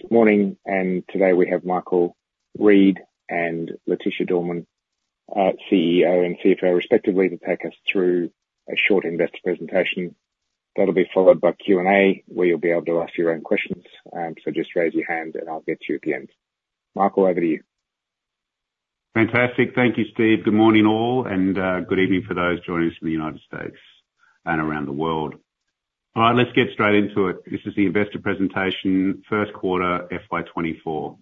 Good morning, and today we have Michael Reid and Leticia Dorman, our CEO and CFO respectively, to take us through a short investor presentation. That'll be followed by Q&A, where you'll be able to ask your own questions. So just raise your hand and I'll get to you at the end. Michael, over to you. Fantastic. Thank you, Steve. Good morning, all, and good evening for those joining us from the United States and around the world. All right, let's get straight into it. This is the investor presentation, first quarter, FY 2024.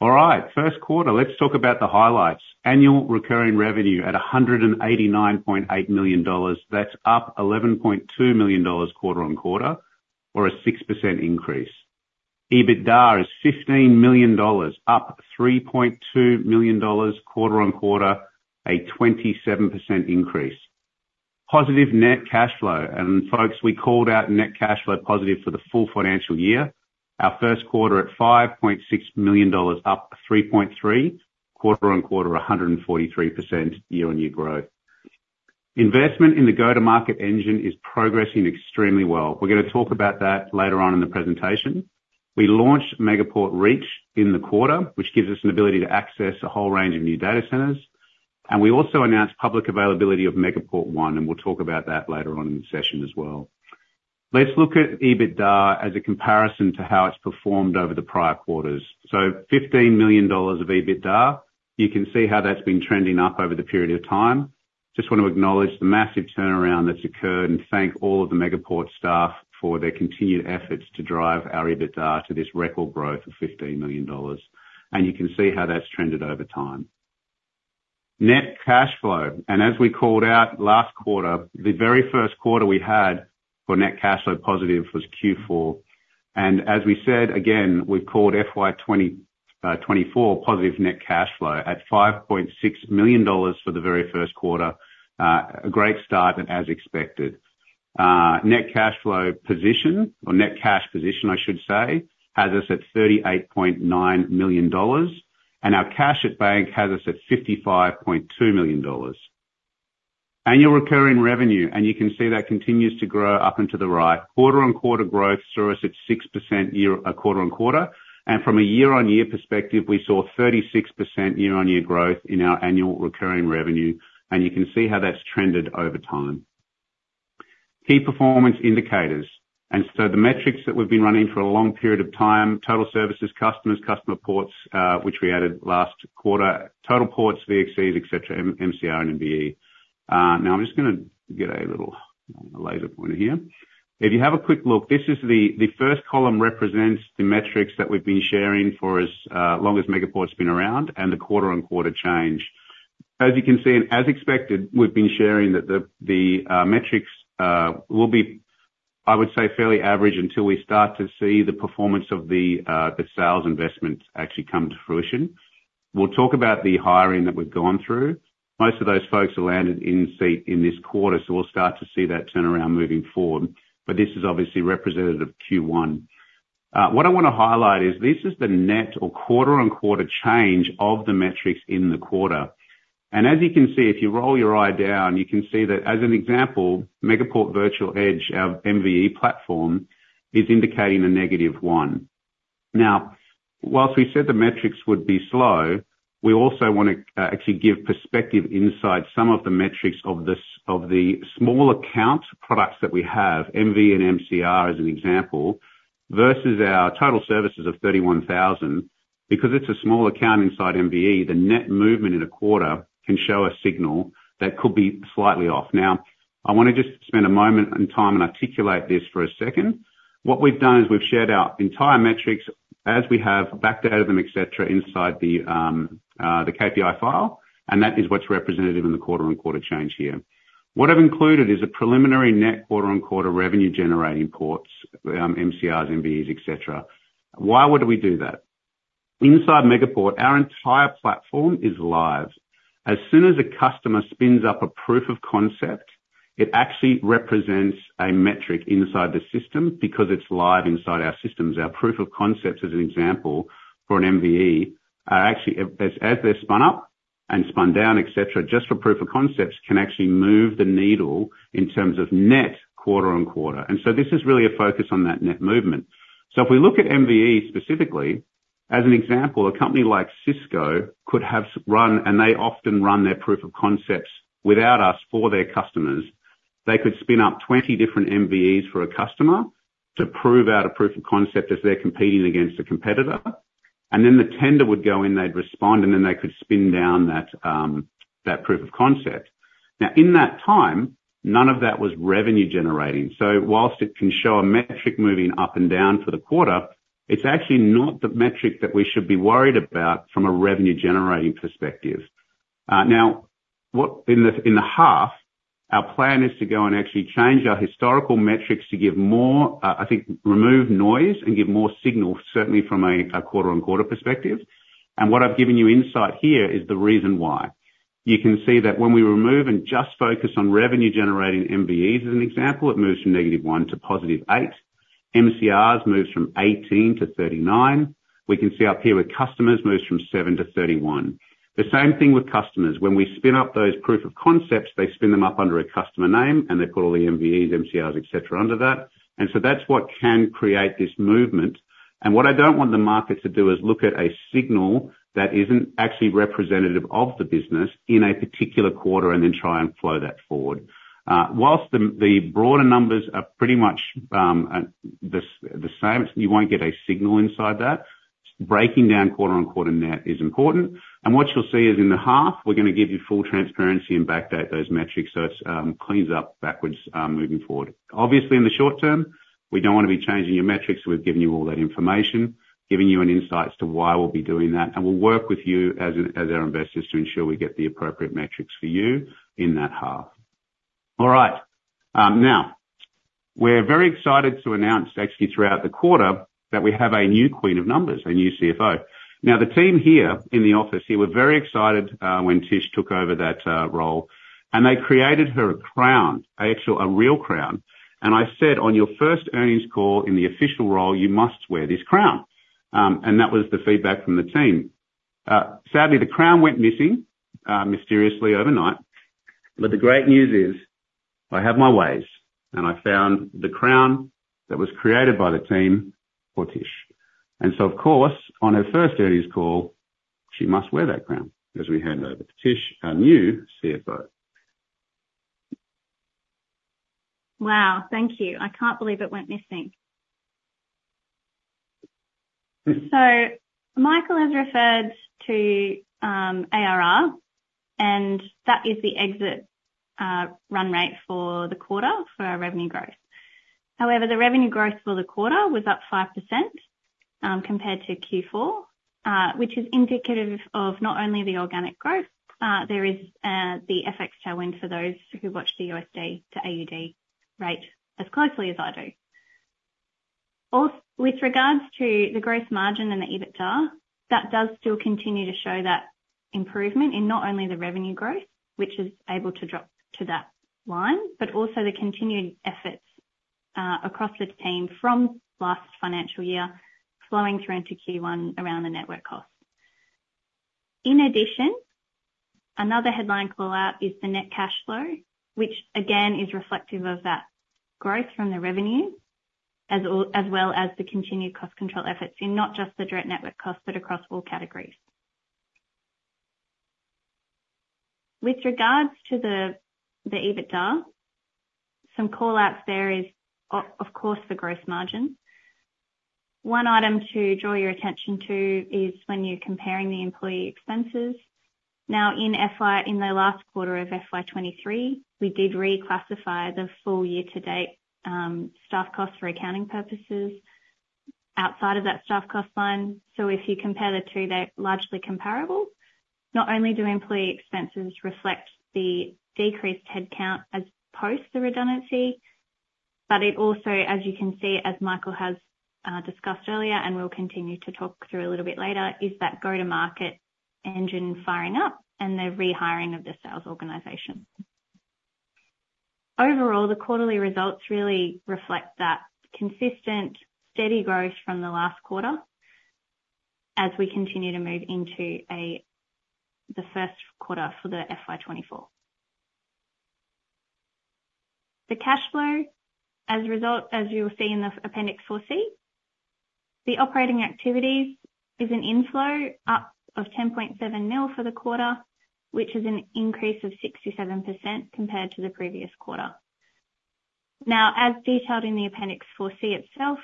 All right, first quarter, let's talk about the highlights. Annual recurring revenue at 189.8 million dollars. That's up 11.2 million dollars quarter-on-quarter, or a 6% increase. EBITDA is 15 million dollars, up 3.2 million dollars quarter-on-quarter, a 27% increase. Positive net cash flow, and folks, we called out net cash flow positive for the full financial year. Our first quarter at 5.6 million dollars, up 3.3, quarter-on-quarter, a 143% year-on-year growth. Investment in the go-to-market engine is progressing extremely well. We're gonna talk about that later on in the presentation. We launched Megaport Reach in the quarter, which gives us an ability to access a whole range of new data centers, and we also announced public availability of Megaport One, and we'll talk about that later on in the session as well. Let's look at EBITDA as a comparison to how it's performed over the prior quarters. So 15 million dollars of EBITDA. You can see how that's been trending up over the period of time. Just want to acknowledge the massive turnaround that's occurred, and thank all of the Megaport staff for their continued efforts to drive our EBITDA to this record growth of 15 million dollars, and you can see how that's trended over time. Net cash flow, and as we called out last quarter, the very first quarter we had for net cash flow positive was Q4. As we said, again, we've called FY 2024 positive net cash flow at 5.6 million dollars for the very first quarter, a great start and as expected. Net cash flow position, or net cash position, I should say, has us at 38.9 million dollars, and our cash at bank has us at 55.2 million dollars. Annual recurring revenue, and you can see that continues to grow up into the right. Quarter-on-quarter growth saw us at 6% quarter-on-quarter, and from a year-on-year perspective, we saw 36% year-on-year growth in our annual recurring revenue, and you can see how that's trended over time. Key performance indicators. And so the metrics that we've been running for a long period of time, total services, customers, customer ports, which we added last quarter, total ports, VDCs, et cetera, MCR, and MVE. Now I'm just gonna get a little laser pointer here. If you have a quick look, this is the first column represents the metrics that we've been sharing for as long as Megaport's been around, and the quarter-on-quarter change. As you can see, and as expected, we've been sharing that the metrics will be, I would say, fairly average until we start to see the performance of the sales investments actually come to fruition. We'll talk about the hiring that we've gone through. Most of those folks have landed in seat in this quarter, so we'll start to see that turnaround moving forward, but this is obviously representative of Q1. What I wanna highlight is this is the net or quarter-on-quarter change of the metrics in the quarter. As you can see, if you roll your eyes down, you can see that as an example, Megaport Virtual Edge, our MVE platform, is indicating a -1. Now, while we said the metrics would be slow, we also wanna actually give perspective inside some of the metrics of the smaller account products that we have, MVE and MCR, as an example, versus our total services of 31,000, because it's a small account inside MVE, the net movement in a quarter can show a signal that could be slightly off. Now, I wanna just spend a moment and time and articulate this for a second. What we've done is we've shared our entire metrics as we have, backed out of them, et cetera, inside the the KPI file, and that is what's representative in the quarter-on-quarter change here. What I've included is a preliminary net quarter-on-quarter revenue generating ports, MCRs, MVEs, et cetera. Why would we do that? Inside Megaport, our entire platform is live. As soon as a customer spins up a proof of concept, it actually represents a metric inside the system because it's live inside our systems. Our proof of concepts, as an example, for an MVE, are actually... as they're spun up and spun down, et cetera, just for proof of concepts, can actually move the needle in terms of net quarter-on-quarter. So this is really a focus on that net movement. So if we look at MVE specifically, as an example, a company like Cisco could have run, and they often run their proof of concepts without us, for their customers. They could spin up 20 different MVEs for a customer to prove out a proof of concept as they're competing against a competitor, and then the tender would go in, they'd respond, and then they could spin down that, that proof of concept. Now, in that time, none of that was revenue generating. So while it can show a metric moving up and down for the quarter, it's actually not the metric that we should be worried about from a revenue generating perspective. Now, what in the half, our plan is to go and actually change our historical metrics to give more, I think, remove noise and give more signal, certainly from a quarter-on-quarter perspective. And what I've given you insight here is the reason why. You can see that when we remove and just focus on revenue generating MVEs, as an example, it moves from -1 to +8. MCRs moves from 18 to 39. We can see up here with customers, moves from 7 to 31. The same thing with customers. When we spin up those proof of concepts, they spin them up under a customer name, and they've put all the MVEs, MCRs, et cetera, under that. And so that's what can create this movement. What I don't want the market to do is look at a signal that isn't actually representative of the business in a particular quarter and then try and flow that forward. Whilst the broader numbers are pretty much the same, you won't get a signal inside that. Breaking down quarter-on-quarter net is important. What you'll see is in the half, we're going to give you full transparency and backdate those metrics so it cleans up backwards moving forward. Obviously, in the short term, we don't want to be changing your metrics. We've given you all that information, giving you an insights to why we'll be doing that, and we'll work with you as our investors to ensure we get the appropriate metrics for you in that half. All right. Now, we're very excited to announce, actually throughout the quarter, that we have a new queen of numbers, a new CFO. Now, the team here in the office here were very excited, when Tish took over that role, and they created her a crown, actually, a real crown. And I said, "On your first earnings call in the official role, you must wear this crown." And that was the feedback from the team. Sadly, the crown went missing, mysteriously overnight. But the great news is, I have my ways, and I found the crown that was created by the team for Tish. And so, of course, on her first earnings call, she must wear that crown. As we hand over to Tish, our new CFO. Wow! Thank you. I can't believe it went missing. So Michael has referred to ARR, and that is the exit run rate for the quarter for our revenue growth. However, the revenue growth for the quarter was up 5%, compared to Q4, which is indicative of not only the organic growth, there is the FX tailwind for those who watch the USD to AUD rate as closely as I do. With regards to the growth margin and the EBITDA, that does still continue to show that improvement in not only the revenue growth, which is able to drop to that line, but also the continued efforts across the team from last financial year, flowing through into Q1 around the network cost. In addition, another headline call-out is the net cash flow, which again, is reflective of that growth from the revenue, as well as the continued cost control efforts in not just the direct network costs, but across all categories. With regards to the EBITDA, some call-outs there, of course, the gross margin. One item to draw your attention to is when you're comparing the employee expenses. Now, in FY, in the last quarter of FY 2023, we did reclassify the full year to date, staff costs for accounting purposes outside of that staff cost line. So if you compare the two, they're largely comparable. Not only do employee expenses reflect the decreased headcount as post the redundancy, but it also, as you can see, as Michael has discussed earlier, and we'll continue to talk through a little bit later, is that go-to-market engine firing up and the rehiring of the sales organization. Overall, the quarterly results really reflect that consistent, steady growth from the last quarter as we continue to move into a, the first quarter for the FY 2024. The cash flow as a result, as you'll see in the Appendix 4C, the operating activities is an inflow up of 10.7 million for the quarter, which is an increase of 67% compared to the previous quarter. Now, as detailed in the Appendix 4C itself,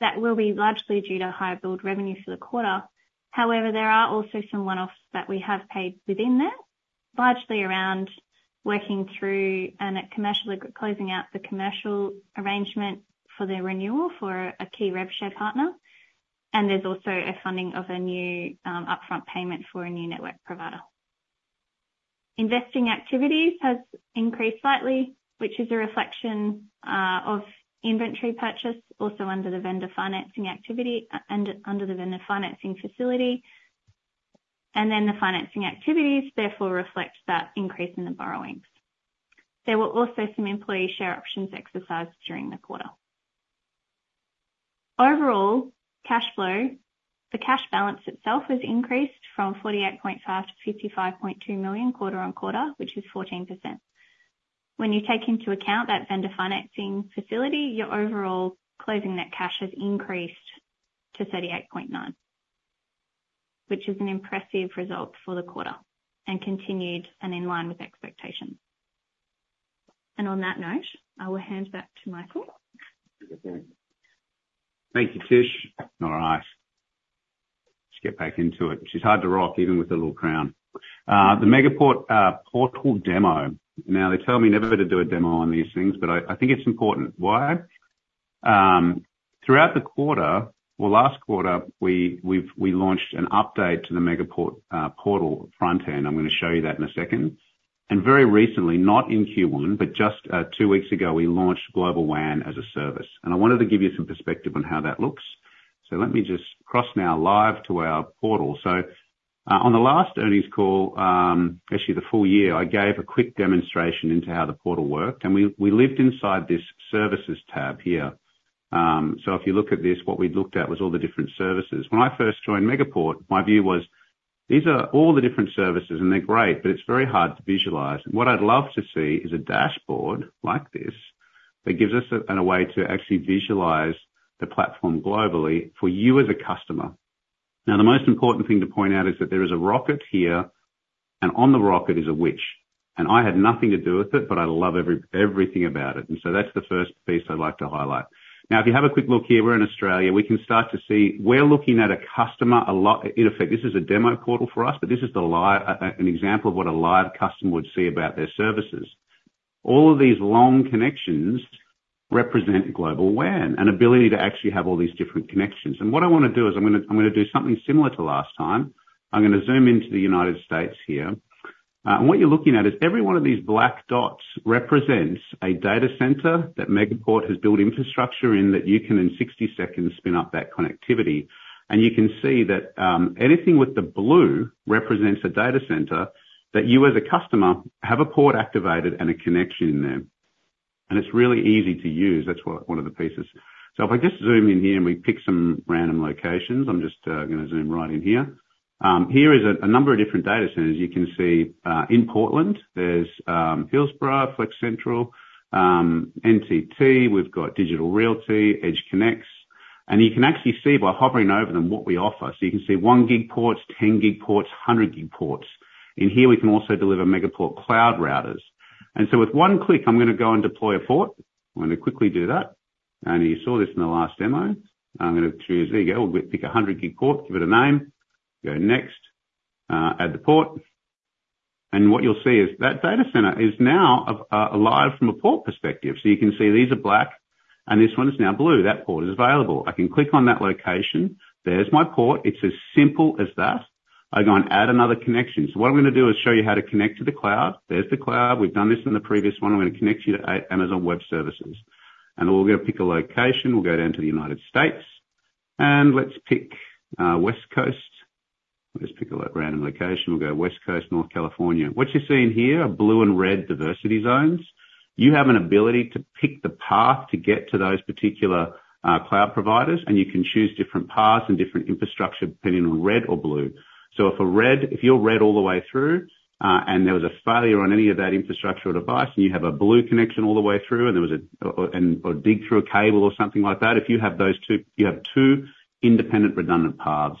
that will be largely due to higher billed revenue for the quarter. However, there are also some one-offs that we have paid within that, largely around working through and at commercially closing out the commercial arrangement for the renewal for a key rev share partner. And there's also a funding of a new, upfront payment for a new network provider. Investing activities has increased slightly, which is a reflection, of inventory purchase, also under the vendor financing activity, under the vendor financing facility. And then the financing activities therefore reflect that increase in the borrowings. There were also some employee share options exercised during the quarter. Overall, cash flow, the cash balance itself has increased from 48.5 million to 55.2 million quarter on quarter, which is 14%. When you take into account that vendor financing facility, your overall closing net cash has increased to 38.9, which is an impressive result for the quarter and continued and in line with expectations. On that note, I will hand back to Michael. Thank you, Tish. All right, let's get back into it. She's hard to rock, even with her little crown. The Megaport portal demo. Now, they tell me never to do a demo on these things, but I think it's important. Why? Throughout the quarter... Well, last quarter, we've launched an update to the Megaport portal front end. I'm going to show you that in a second. And very recently, not in Q1, but just two weeks ago, we launched Global WAN as a service, and I wanted to give you some perspective on how that looks. So let me just cross now live to our portal. On the last earnings call, actually the full year, I gave a quick demonstration into how the portal worked, and we lived inside this services tab here. So if you look at this, what we looked at was all the different services. When I first joined Megaport, my view was, these are all the different services, and they're great, but it's very hard to visualize. And what I'd love to see is a dashboard, like this, that gives us a, a way to actually visualize the platform globally for you as a customer. Now, the most important thing to point out is that there is a rocket here, and on the rocket is a witch, and I had nothing to do with it, but I love everything about it. And so that's the first piece I'd like to highlight. Now, if you have a quick look here, we're in Australia. We can start to see; we're looking at a customer a lot... In effect, this is a demo portal for us, but this is the live, an example of what a live customer would see about their services. All of these long connections represent Global WAN, an ability to actually have all these different connections. And what I want to do is, I'm gonna, I'm gonna do something similar to last time. I'm gonna zoom into the United States here. And what you're looking at is every one of these black dots represents a data center that Megaport has built infrastructure in, that you can, in 60 seconds, spin up that connectivity. And you can see that, anything with the blue represents a data center, that you, as a customer, have a port activated and a connection in there. And it's really easy to use. That's one of the pieces. So if I just zoom in here and we pick some random locations, I'm just gonna zoom right in here. Here is a number of different data centers. You can see in Portland, there's Hillsboro, Flexential, NTT, we've got Digital Realty, EdgeConneX, and you can actually see by hovering over them what we offer. So you can see 1 gig ports, 10 gig ports, 100 gig ports. In here, we can also deliver Megaport Cloud Routers. And so with one click, I'm gonna go and deploy a port. I'm gonna quickly do that. And you saw this in the last demo. I'm gonna choose, there you go, we'll pick a 100 gig port, give it a name, go next, add the port. And what you'll see is that data center is now alive from a port perspective. So you can see these are black, and this one is now blue. That port is available. I can click on that location. There's my port. It's as simple as that. I go on, add another connection. So what I'm gonna do is show you how to connect to the cloud. There's the cloud. We've done this in the previous one. I'm gonna connect you to Amazon Web Services. We'll go pick a location. We'll go down to the United States, and let's pick West Coast. Let's pick a random location. We'll go West Coast, Northern California. What you're seeing here are blue and red diversity zones. You have an ability to pick the path to get to those particular cloud providers, and you can choose different paths and different infrastructure, depending on red or blue. So if you're red all the way through, and there was a failure on any of that infrastructure or device, and you have a blue connection all the way through, and there was a dig through a cable or something like that, if you have those two, you have two independent, redundant paths.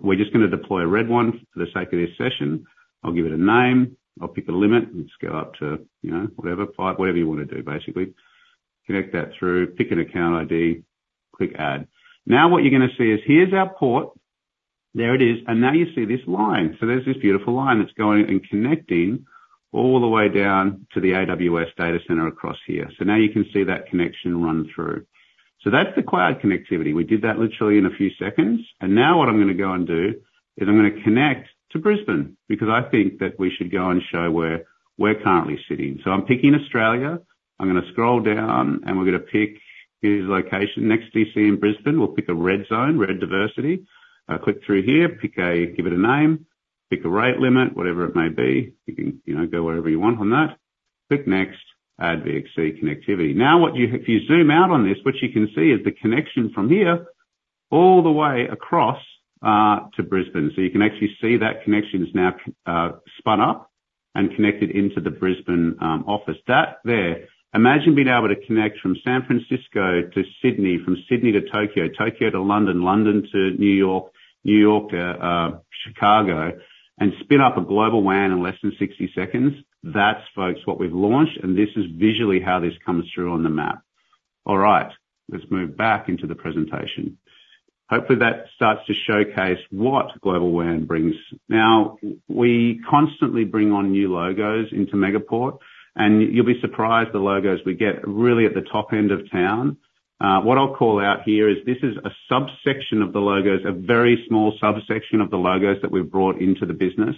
We're just gonna deploy a red one for the sake of this session. I'll give it a name. I'll pick a limit. Let's go up to, you know, whatever, five, whatever you want to do, basically. Connect that through, pick an account ID, click Add. Now, what you're gonna see is, here's our port. There it is, and now you see this line. So there's this beautiful line that's going and connecting all the way down to the AWS data center across here. So now you can see that connection run through. So that's the cloud connectivity. We did that literally in a few seconds. And now what I'm gonna go and do is, I'm gonna connect to Brisbane, because I think that we should go and show where we're currently sitting. So I'm picking Australia. I'm gonna scroll down, and we're gonna pick this location, NEXTDC in Brisbane. We'll pick a red zone, red diversity. Click through here, pick, give it a name, pick a rate limit, whatever it may be. You can, you know, go wherever you want on that. Click Next, Add VXC Connectivity. Now, if you zoom out on this, what you can see is the connection from here all the way across to Brisbane. So you can actually see that connection is now spun up and connected into the Brisbane office. That there, imagine being able to connect from San Francisco to Sydney, from Sydney to Tokyo, Tokyo to London, London to New York, New York to Chicago, and spin up a Global WAN in less than 60 seconds. That's, folks, what we've launched, and this is visually how this comes through on the map. All right, let's move back into the presentation. Hopefully, that starts to showcase what Global WAN brings. Now we constantly bring on new logos into Megaport, and you'll be surprised the logos we get, really at the top end of town. What I'll call out here is, this is a subsection of the logos, a very small subsection of the logos that we've brought into the business.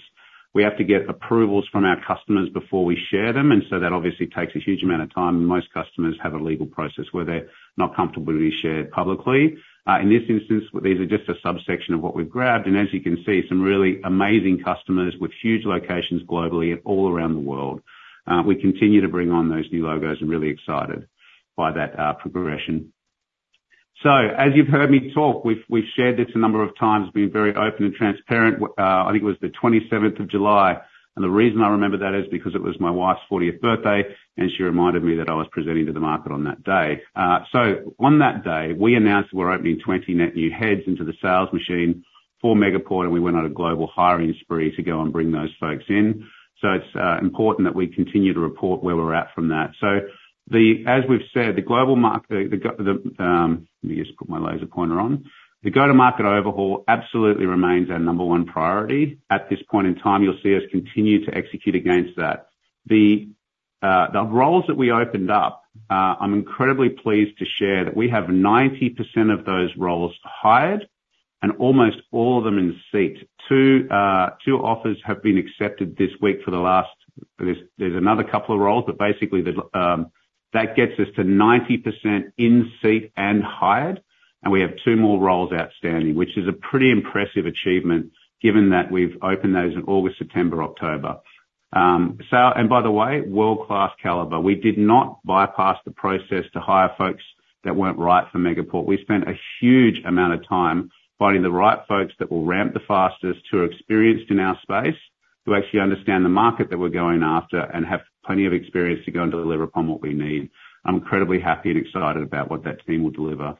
We have to get approvals from our customers before we share them, and so that obviously takes a huge amount of time, and most customers have a legal process where they're not comfortable to be shared publicly. In this instance, these are just a subsection of what we've grabbed, and as you can see, some really amazing customers with huge locations globally and all around the world. We continue to bring on those new logos and really excited by that progression. So, as you've heard me talk, we've, we've shared this a number of times, being very open and transparent. I think it was the twenty-seventh of July, and the reason I remember that is because it was my wife's fortieth birthday, and she reminded me that I was presenting to the market on that day. So on that day, we announced we're opening 20 net new heads into the sales machine for Megaport, and we went on a global hiring spree to go and bring those folks in. So it's important that we continue to report where we're at from that. So as we've said, the global market, let me just put my laser pointer on. The go-to-market overhaul absolutely remains our number one priority. At this point in time, you'll see us continue to execute against that. The roles that we opened up, I'm incredibly pleased to share that we have 90% of those roles hired and almost all of them in seat. Two,... Two offers have been accepted this week for the last—there's another couple of roles, but basically that gets us to 90% in seat and hired, and we have two more roles outstanding. Which is a pretty impressive achievement, given that we've opened those in August, September, October. And by the way, world-class caliber. We did not bypass the process to hire folks that weren't right for Megaport. We spent a huge amount of time finding the right folks that will ramp the fastest, who are experienced in our space, who actually understand the market that we're going after, and have plenty of experience to go and deliver upon what we need. I'm incredibly happy and excited about what that team will deliver.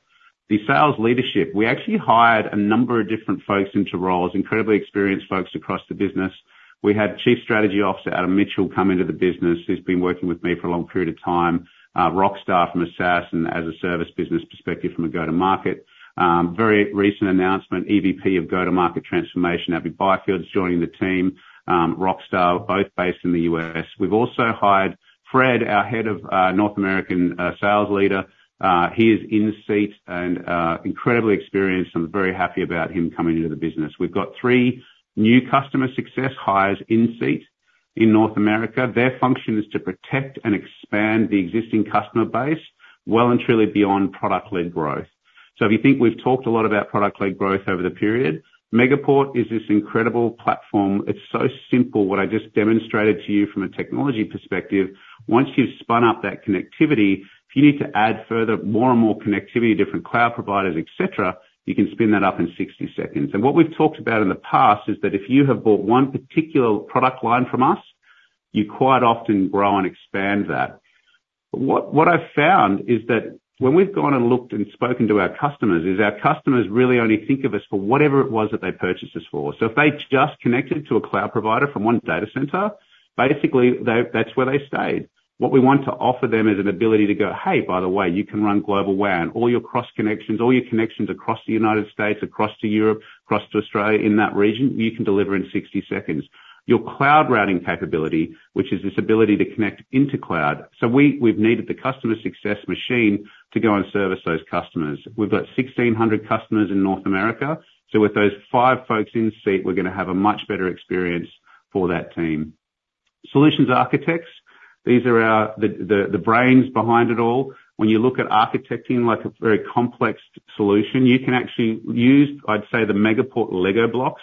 The sales leadership. We actually hired a number of different folks into roles, incredibly experienced folks across the business. We had Chief Strategy Officer, Adam Mitchell, come into the business, who's been working with me for a long period of time. Rock star from a SaaS and as a service business perspective from a go-to-market. Very recent announcement, EVP of Go-to-Market Transformation, Abbey Byfield, is joining the team. Rock star, both based in the U.S. We've also hired Fred, our head of North American sales leader. He is in seat and incredibly experienced, I'm very happy about him coming into the business. We've got three new customer success hires in seat in North America. Their function is to protect and expand the existing customer base, well and truly beyond product-led growth. So if you think we've talked a lot about product-led growth over the period, Megaport is this incredible platform. It's so simple, what I just demonstrated to you from a technology perspective. Once you've spun up that connectivity, if you need to add further, more and more connectivity to different cloud providers, et cetera, you can spin that up in 60 seconds. And what we've talked about in the past is that, if you have bought one particular product line from us, you quite often grow and expand that. What, what I've found is that when we've gone and looked and spoken to our customers, is our customers really only think of us for whatever it was that they purchased us for. So if they just connected to a cloud provider from one data center, basically, they- that's where they stayed. What we want to offer them is an ability to go, "Hey, by the way, you can run Global WAN. All your cross connections, all your connections across the United States, across to Europe, across to Australia, in that region, you can deliver in 60 seconds." Your cloud routing capability, which is this ability to connect into cloud. So we've needed the customer success machine to go and service those customers. We've got 1,600 customers in North America, so with those 5 folks in seat, we're gonna have a much better experience for that team. Solutions architects, these are the brains behind it all. When you look at architecting like a very complex solution, you can actually use, I'd say, the Megaport Lego blocks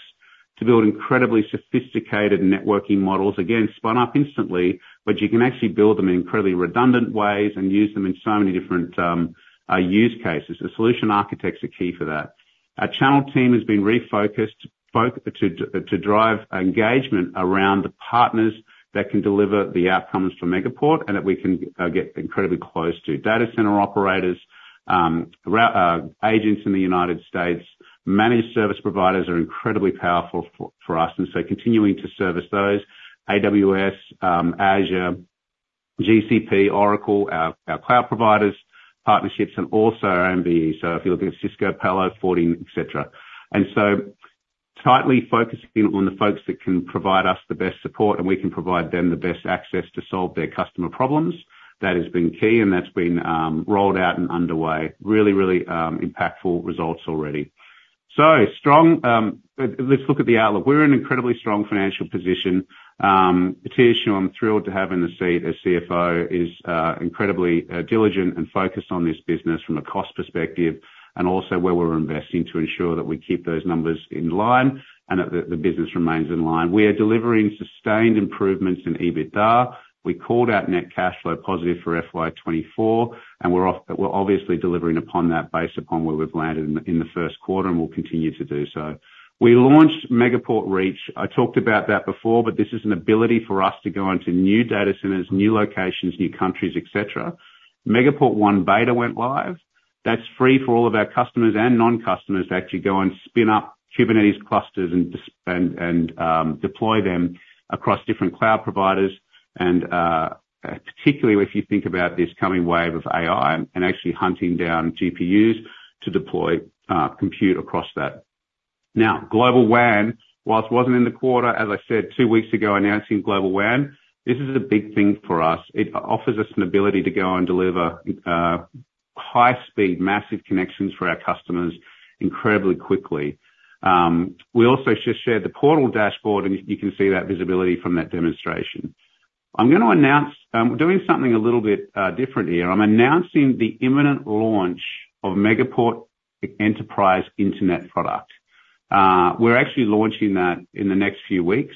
to build incredibly sophisticated networking models. Again, spun up instantly, but you can actually build them in incredibly redundant ways and use them in so many different use cases. The solution architects are key for that. Our channel team has been refocused to drive engagement around the partners that can deliver the outcomes for Megaport, and that we can get incredibly close to data center operators, agents in the United States. Managed service providers are incredibly powerful for us, and so continuing to service those. AWS, Azure, GCP, Oracle, our cloud providers, partnerships, and also MVE, so if you're looking at Cisco, Palo Alto, Fortinet, et cetera. So tightly focusing on the folks that can provide us the best support, and we can provide them the best access to solve their customer problems, that has been key, and that's been rolled out and underway. Really, really impactful results already. So strong, let's look at the outlook. We're in an incredibly strong financial position. Leticia, I'm thrilled to have in the seat as CFO, is incredibly diligent and focused on this business from a cost perspective, and also where we're investing to ensure that we keep those numbers in line and that the business remains in line. We are delivering sustained improvements in EBITDA. We called out net cash flow positive for FY 2024, and we're obviously delivering upon that based upon where we've landed in the first quarter, and we'll continue to do so. We launched Megaport Reach. I talked about that before, but this is an ability for us to go into new data centers, new locations, new countries, et cetera. Megaport One Beta went live. That's free for all of our customers and non-customers to actually go and spin up Kubernetes clusters and just... Deploy them across different cloud providers, and particularly if you think about this coming wave of AI, and actually hunting down GPUs to deploy compute across that. Now, Global WAN, whilst wasn't in the quarter, as I said two weeks ago, announcing Global WAN, this is a big thing for us. It offers us an ability to go and deliver high speed, massive connections for our customers incredibly quickly. We also just shared the portal dashboard, and you can see that visibility from that demonstration. I'm gonna announce, we're doing something a little bit different here. I'm announcing the imminent launch of Megaport Enterprise Internet product. We're actually launching that in the next few weeks.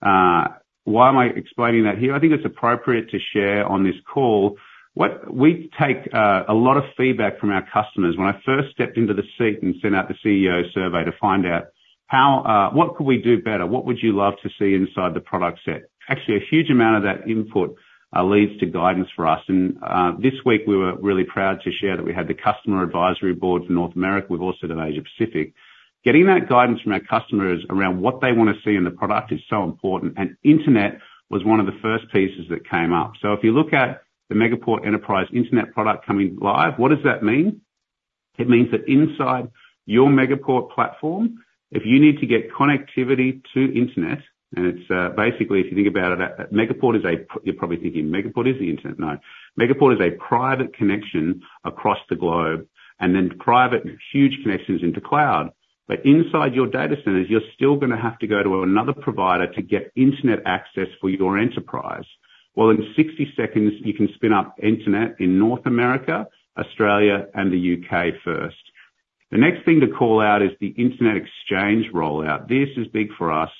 Why am I explaining that here? I think it's appropriate to share on this call, we take a lot of feedback from our customers. When I first stepped into the seat and sent out the CEO survey to find out how, what could we do better? What would you love to see inside the product set? Actually, a huge amount of that input leads to guidance for us, and this week we were really proud to share that we had the customer advisory board for North America. We've also done Asia Pacific. Getting that guidance from our customers around what they want to see in the product is so important, and internet was one of the first pieces that came up. So if you look at the Megaport Enterprise Internet product coming live, what does that mean? It means that inside your Megaport platform, if you need to get connectivity to internet, and it's basically, if you think about it, Megaport is a you're probably thinking Megaport is the internet. No. Megaport is a private connection across the globe, and then private, huge connections into cloud. But inside your data centers, you're still gonna have to go to another provider to get internet access for your enterprise. Well, in 60 seconds, you can spin up internet in North America, Australia, and the UK first. The next thing to call out is the internet exchange rollout. This is big for us.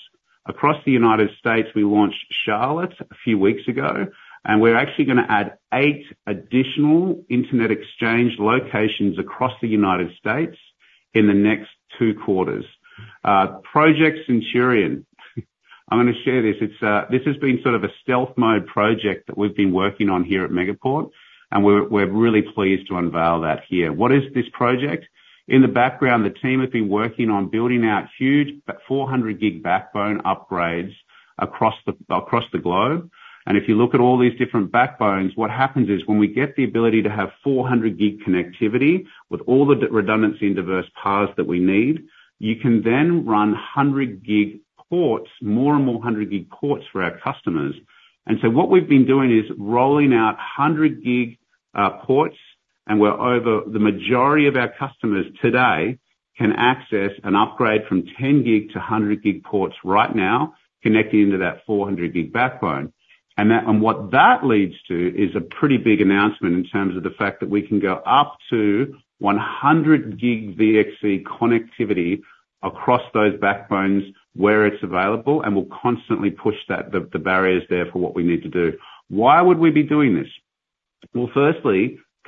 Across the United States, we launched Charlotte a few weeks ago, and we're actually gonna add eight additional internet exchange locations across the United States in the next two quarters. Project Centurion, I'm gonna share this. It's this has been sort of a stealth mode project that we've been working on here at Megaport, and we're really pleased to unveil that here. What is this project? In the background, the team have been working on building out 400 gig backbone upgrades across the globe. And if you look at all these different backbones, what happens is, when we get the ability to have 400 gig connectivity with all the redundancy and diverse paths that we need, you can then run 100 gig ports, more and more 100 gig ports for our customers. And so what we've been doing is rolling out 100 gig ports, and we're over. The majority of our customers today can access an upgrade from 10 gig to 100 gig ports right now, connecting to that 400 gig backbone. And what that leads to is a pretty big announcement in terms of the fact that we can go up to 100-gig VXC connectivity across those backbones where it's available, and we'll constantly push that, the barriers there for what we need to do. Why would we be doing this? Well,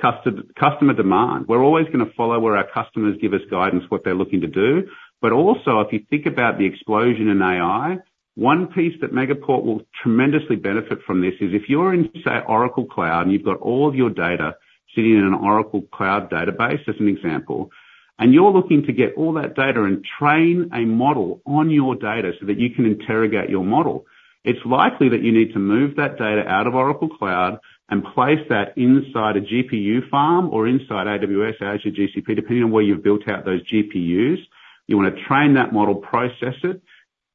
firstly, customer demand. We're always gonna follow where our customers give us guidance, what they're looking to do. But also, if you think about the explosion in AI, one piece that Megaport will tremendously benefit from this is, if you're in, say, Oracle Cloud, and you've got all of your data sitting in an Oracle Cloud database, as an example, and you're looking to get all that data and train a model on your data so that you can interrogate your model, it's likely that you need to move that data out of Oracle Cloud and place that inside a GPU farm or inside AWS, Azure, GCP, depending on where you've built out those GPUs. You want to train that model, process it,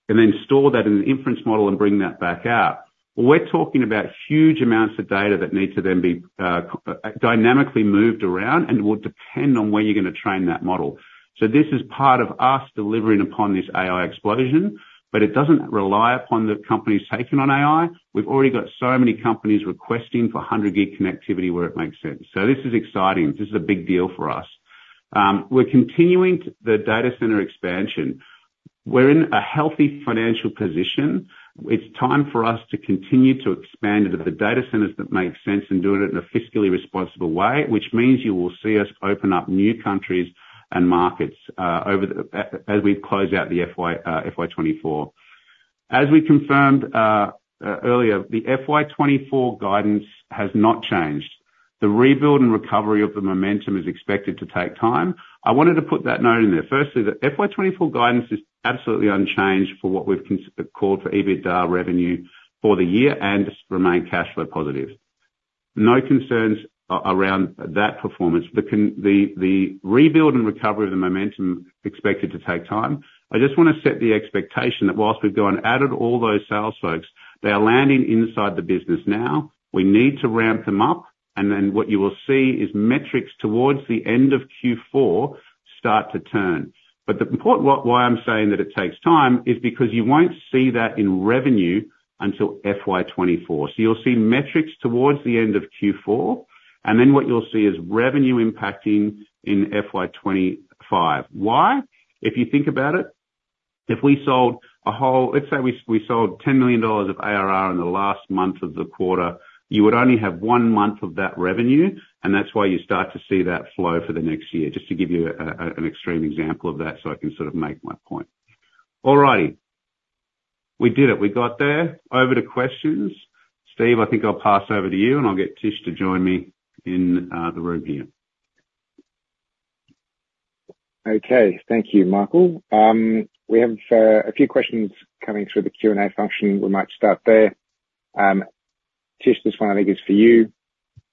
and then store that in an inference model and bring that back out. We're talking about huge amounts of data that need to then be dynamically moved around, and it will depend on where you're gonna train that model. So this is part of us delivering upon this AI explosion, but it doesn't rely upon the companies taking on AI. We've already got so many companies requesting 100-gig connectivity where it makes sense. So this is exciting. This is a big deal for us. We're continuing the data center expansion. We're in a healthy financial position. It's time for us to continue to expand into the data centers that make sense, and doing it in a fiscally responsible way, which means you will see us open up new countries and markets, over the, as we close out the FY, FY 2024. As we confirmed, earlier, the FY 2024 guidance has not changed. The rebuild and recovery of the momentum is expected to take time. I wanted to put that note in there. Firstly, the FY24 guidance is absolutely unchanged for what we've called for EBITDA revenue for the year and remain cash flow positive. No concerns around that performance. The rebuild and recovery of the momentum expected to take time. I just want to set the expectation that while we've gone and added all those sales folks, they are landing inside the business now. We need to ramp them up, and then what you will see is metrics towards the end of Q4 start to turn. But the point why I'm saying that it takes time, is because you won't see that in revenue until FY24. So you'll see metrics towards the end of Q4, and then what you'll see is revenue impacting in FY25. Why? If you think about it, if we sold a whole... Let's say we sold $10 million of ARR in the last month of the quarter, you would only have one month of that revenue, and that's why you start to see that flow for the next year. Just to give you an extreme example of that, so I can sort of make my point. All righty. We did it. We got there. Over to questions. Steve, I think I'll pass over to you, and I'll get Tish to join me in the room here. Okay. Thank you, Michael. We have a few questions coming through the Q&A function. We might start there. Tish, this one I think is for you.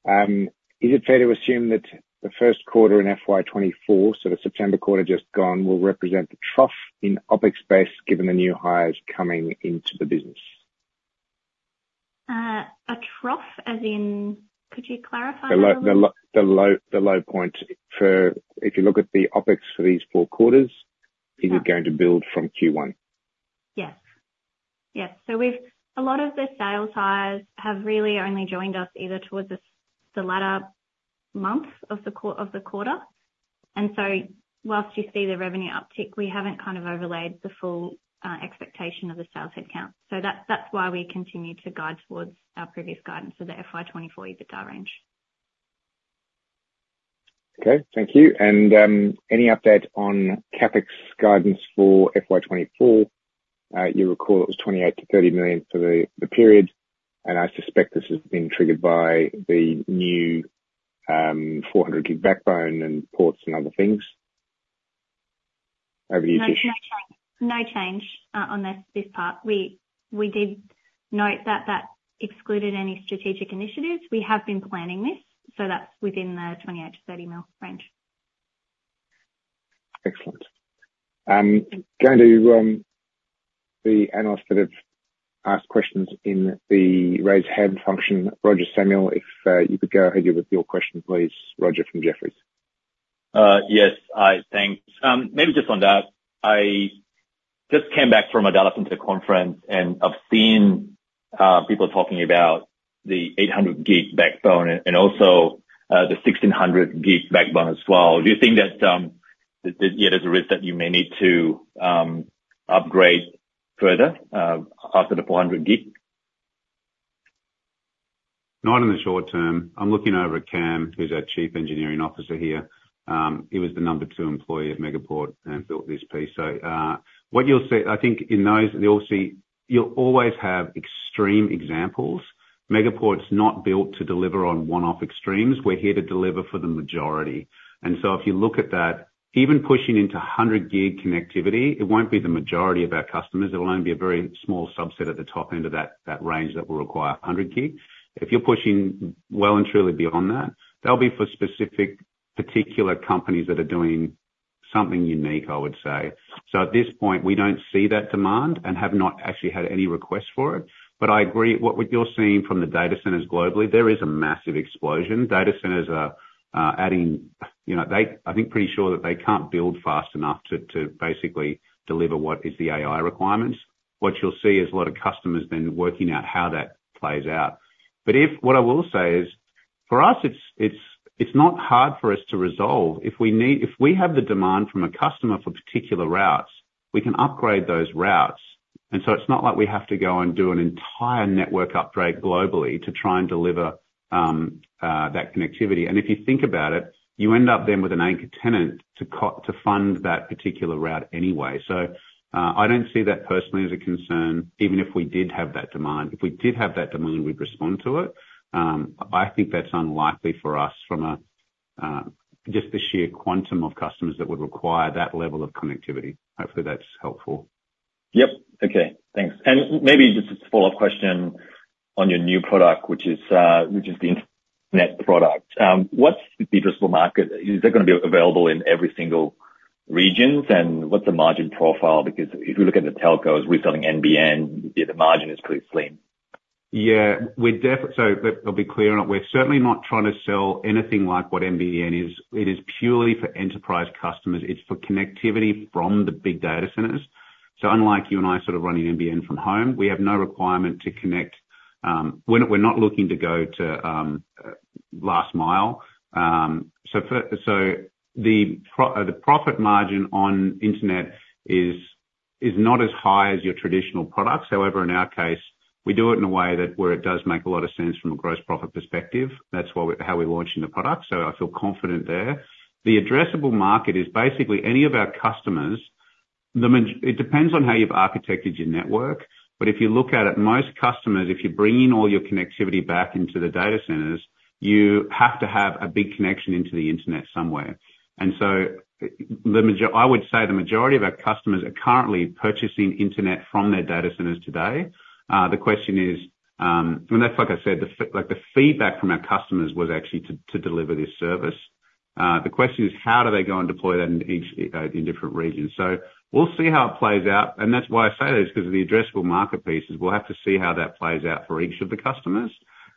Is it fair to assume that the first quarter in FY 2024, so the September quarter just gone, will represent the trough in OpEx space, given the new hires coming into the business? A trough, as in? Could you clarify that- The low point for... If you look at the OpEx for these four quarters, is it going to build from Q1? Yes. Yes. So we've a lot of the sales hires have really only joined us either towards the latter months of the quarter. And so while you see the revenue uptick, we haven't kind of overlaid the full expectation of the sales headcount. So that's why we continue to guide towards our previous guidance for the FY 2024 EBITDA range. Okay, thank you. Any update on CapEx guidance for FY 2024? You'll recall it was 28 million-30 million for the period, and I suspect this has been triggered by the new 400 gig backbone and ports and other things. Over to you, Tish. No change, no change on this part. We did note that that excluded any strategic initiatives. We have been planning this, so that's within the 28 million-30 million range. Excellent. Going to the analysts that have asked questions in the Raise Hand function. Roger Samuel, if you could go ahead with your question, please. Roger from Jefferies.... Yes, thanks. Maybe just on that, I just came back from a data center conference, and I've seen people talking about the 800 gig backbone and also the 1,600 gig backbone as well. Do you think that there's a risk that you may need to upgrade further after the 400 gig? Not in the short term. I'm looking over at Cam, who's our Chief Engineering Officer here. He was the number two employee at Megaport and built this piece. So, what you'll see, I think in those, you'll always have extreme examples. Megaport's not built to deliver on one-off extremes. We're here to deliver for the majority. And so if you look at that, even pushing into 100-gig connectivity, it won't be the majority of our customers, it will only be a very small subset at the top end of that, that range that will require a 100-gig. If you're pushing well and truly beyond that, that'll be for specific, particular companies that are doing something unique, I would say. So at this point, we don't see that demand and have not actually had any requests for it. But I agree, what you're seeing from the data centers globally, there is a massive explosion. Data centers are adding, you know. I think pretty sure that they can't build fast enough to basically deliver what is the AI requirements. What you'll see is a lot of customers then working out how that plays out. But what I will say is, for us, it's not hard for us to resolve. If we have the demand from a customer for particular routes, we can upgrade those routes. And so it's not like we have to go and do an entire network upgrade globally to try and deliver that connectivity. And if you think about it, you end up then with an anchor tenant to fund that particular route anyway. So, I don't see that personally as a concern, even if we did have that demand. If we did have that demand, we'd respond to it. I think that's unlikely for us from just the sheer quantum of customers that would require that level of connectivity. Hopefully, that's helpful. Yep. Okay, thanks. And maybe just a follow-up question on your new product, which is, which is the internet product. What's the addressable market? Is that gonna be available in every single regions? And what's the margin profile? Because if you look at the telcos, we're selling NBN, the margin is pretty slim. Yeah, we're definitely so let's be clear on it. We're certainly not trying to sell anything like what NBN is. It is purely for enterprise customers. It's for connectivity from the big data centers. So unlike you and I sort of running NBN from home, we have no requirement to connect, we're not, we're not looking to go to, last mile. So the profit margin on internet is, is not as high as your traditional products. However, in our case, we do it in a way that where it does make a lot of sense from a gross profit perspective. That's why we're how we're launching the product, so I feel confident there. The addressable market is basically any of our customers. The maj... It depends on how you've architected your network, but if you look at it, most customers, if you bring in all your connectivity back into the data centers, you have to have a big connection into the internet somewhere. And so, I would say the majority of our customers are currently purchasing internet from their data centers today. The question is, and that's like I said, like, the feedback from our customers was actually to deliver this service. The question is: How do they go and deploy that in each, in different regions? So we'll see how it plays out, and that's why I say that, is because of the addressable market pieces. We'll have to see how that plays out for each of the customers.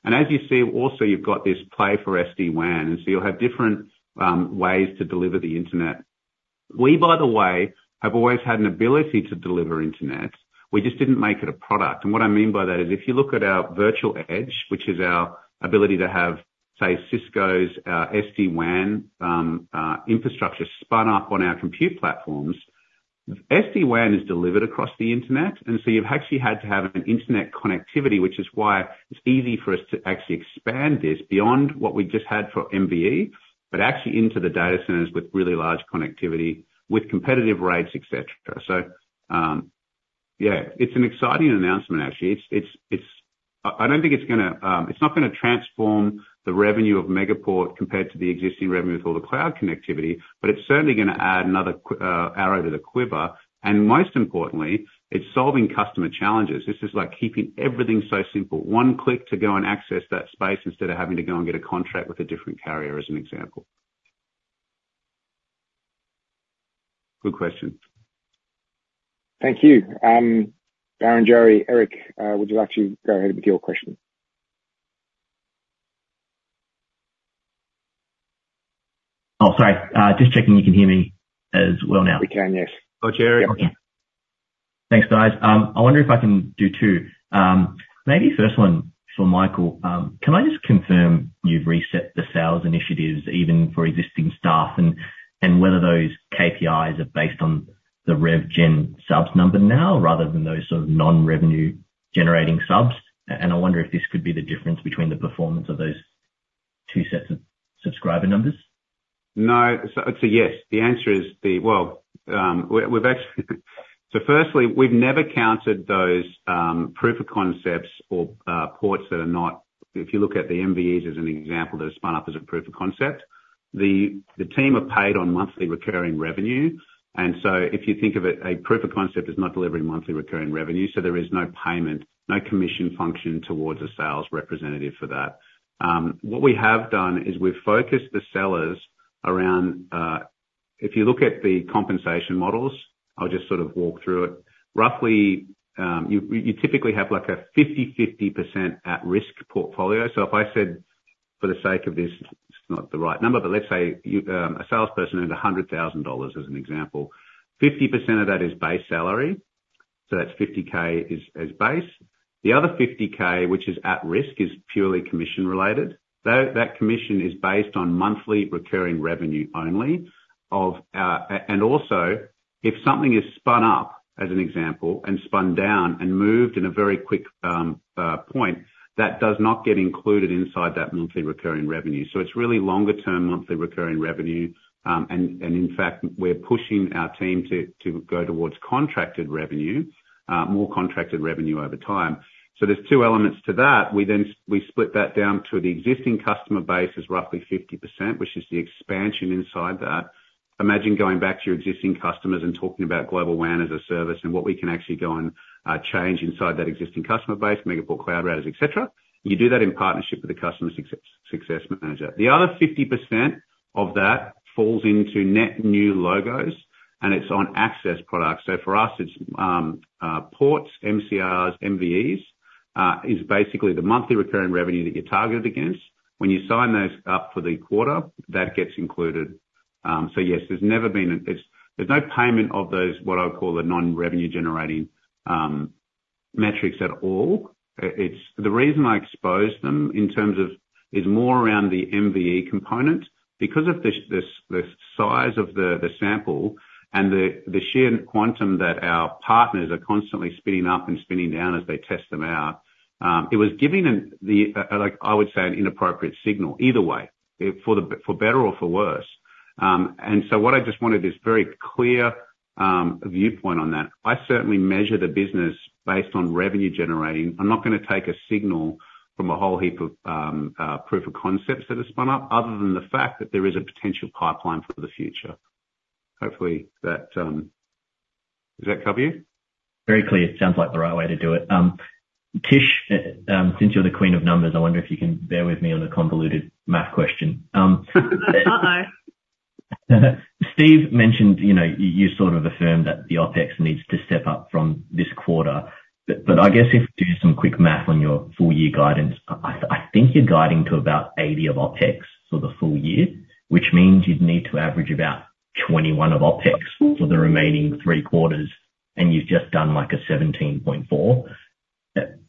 As you see, also, you've got this play for SD-WAN, and so you'll have different ways to deliver the internet. We, by the way, have always had an ability to deliver internet. We just didn't make it a product. And what I mean by that is, if you look at our virtual edge, which is our ability to have, say, Cisco's SD-WAN infrastructure spun up on our compute platforms, SD-WAN is delivered across the internet, and so you've actually had to have an internet connectivity, which is why it's easy for us to actually expand this beyond what we just had for MVE, but actually into the data centers with really large connectivity, with competitive rates, et cetera. So, yeah, it's an exciting announcement, actually. It's... I don't think it's gonna, it's not gonna transform the revenue of Megaport compared to the existing revenue with all the cloud connectivity, but it's certainly gonna add another arrow to the quiver, and most importantly, it's solving customer challenges. This is like keeping everything so simple. One click to go and access that space, instead of having to go and get a contract with a different carrier, as an example. Good question. Thank you. Barrenjoey, Eric, would you like to go ahead with your question? Oh, sorry. Just checking you can hear me as well now. We can, yes. Go ahead, Eric. Thanks, guys. I wonder if I can do two. Maybe first one for Michael. Can I just confirm you've reset the sales initiatives, even for existing staff, and, and whether those KPIs are based on the rev gen subs number now, rather than those sort of non-revenue generating subs? And I wonder if this could be the difference between the performance of those two sets of subscriber numbers. No. So, so yes, the answer is the... Well, we've actually, so firstly, we've never counted those, proof of concepts or, ports that are not-- If you look at the MVEs as an example, that are spun up as a proof of concept, the team are paid on monthly recurring revenue, and so if you think of it, a proof of concept is not delivering monthly recurring revenue, so there is no payment, no commission function towards a sales representative for that. What we have done is we've focused the sellers around... If you look at the compensation models, I'll just sort of walk through it. Roughly, you typically have like a 50/50% at-risk portfolio. So if I said, for the sake of this, it's not the right number, but let's say, you, a salesperson earned $100,000 as an example. 50% of that is base salary, so that's $50,000 is base. The other $50,000, which is at risk, is purely commission related. Though, that commission is based on monthly recurring revenue only of, and also, if something is spun up, as an example, and spun down, and moved in a very quick point, that does not get included inside that monthly recurring revenue. So it's really longer term, monthly recurring revenue. And in fact, we're pushing our team to go towards contracted revenue, more contracted revenue over time. So there's two elements to that. We then split that down to the existing customer base is roughly 50%, which is the expansion inside that. Imagine going back to your existing customers and talking about Global WAN as a service, and what we can actually go and change inside that existing customer base, Megaport Cloud Routers, et cetera. You do that in partnership with a customer success manager. The other 50% of that falls into net new logos, and it's on access products. So for us, it's ports, MCRs, MVEs is basically the monthly recurring revenue that you're targeted against. When you sign those up for the quarter, that gets included. So yes, there's no payment of those, what I would call the non-revenue generating metrics at all. It's the reason I exposed them in terms of, is more around the MVE component. Because of the size of the sample and the sheer quantum that our partners are constantly spinning up and spinning down as they test them out, it was giving like I would say, an inappropriate signal either way, for better or for worse. And so what I just wanted this very clear viewpoint on that. I certainly measure the business based on revenue generating. I'm not gonna take a signal from a whole heap of proof of concepts that have spun up, other than the fact that there is a potential pipeline for the future. Hopefully, that does that cover you? Very clear. Sounds like the right way to do it. Tish, since you're the queen of numbers, I wonder if you can bear with me on the convoluted math question. Uh-uh. Steve mentioned, you know, you sort of affirmed that the OpEx needs to step up from this quarter. But I guess if we do some quick math on your full year guidance, I think you're guiding to about 80 of OpEx for the full year, which means you'd need to average about 21 of OpEx for the remaining three quarters, and you've just done, like, a 17.4.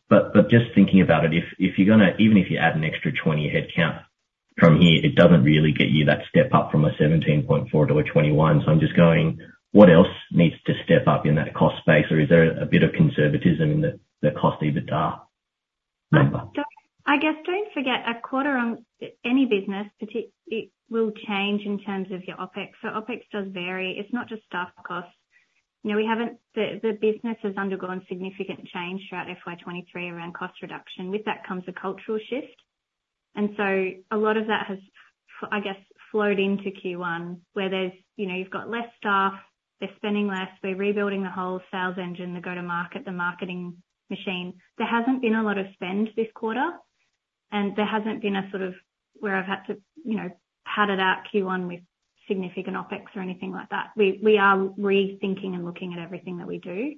But just thinking about it, if you're gonna even if you add an extra 20 headcount from here, it doesn't really get you that step up from a 17.4 to a 21. So I'm just going, what else needs to step up in that cost space? Or is there a bit of conservatism in the cost, EBITDA number? Don't, I guess, forget, a quarter on any business, it will change in terms of your OpEx. So OpEx does vary. It's not just staff costs. You know, we haven't. The business has undergone significant change throughout FY 2023 around cost reduction. With that comes a cultural shift, and so a lot of that has, I guess, flowed into Q1, where there's, you know, you've got less staff, they're spending less, we're rebuilding the whole sales engine, the go-to-market, the marketing machine. There hasn't been a lot of spend this quarter, and there hasn't been a, sort of, where I've had to, you know, pad it out Q1 with significant OpEx or anything like that. We are rethinking and looking at everything that we do.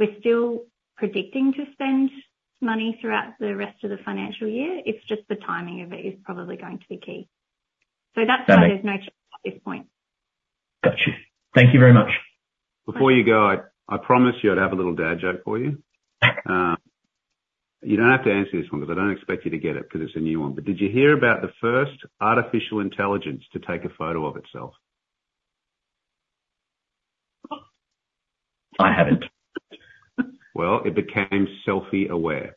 We're still predicting to spend money throughout the rest of the financial year. It's just the timing of it is probably going to be key. So that's why- Got it. There's no change at this point. Got you. Thank you very much. Before you go, I promised you I'd have a little dad joke for you. You don't have to answer this one, because I don't expect you to get it, because it's a new one. But did you hear about the first artificial intelligence to take a photo of itself? I haven't. Well, it became selfie aware.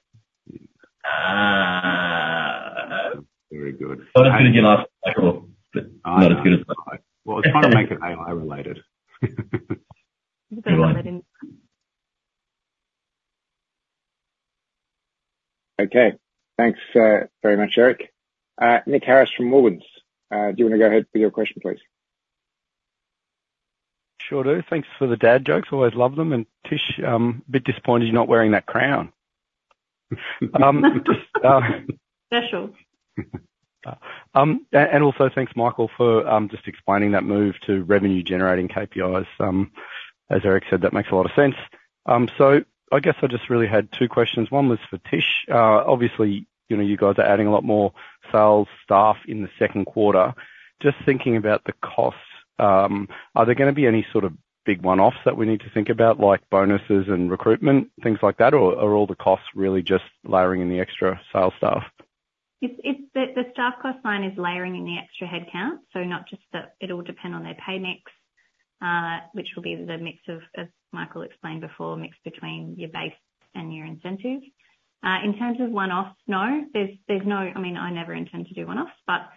Ahhh. Very good. Not as good as last quarter. Not as good as last quarter. Well, I was trying to make it AI related. You did well, I didn't. Okay. Thanks, very much, Eric. Nick Harris from Morgans, do you want to go ahead with your question, please? Sure do. Thanks for the dad jokes, always love them. And Tish, a bit disappointed you're not wearing that crown. Special. And also thanks, Michael, for just explaining that move to revenue generating KPIs. As Eric said, that makes a lot of sense. So I guess I just really had two questions. One was for Tish. Obviously, you know, you guys are adding a lot more sales staff in the second quarter. Just thinking about the costs, are there gonna be any sort of big one-offs that we need to think about, like bonuses and recruitment, things like that? Or are all the costs really just layering in the extra sales staff? It's the staff cost line is layering in the extra headcount, so not just the... It'll depend on their pay mix, which will be the mix of, as Michael explained before, mixed between your base and your incentive. In terms of one-offs, no, there's no-- I mean, I never intend to do one-offs, but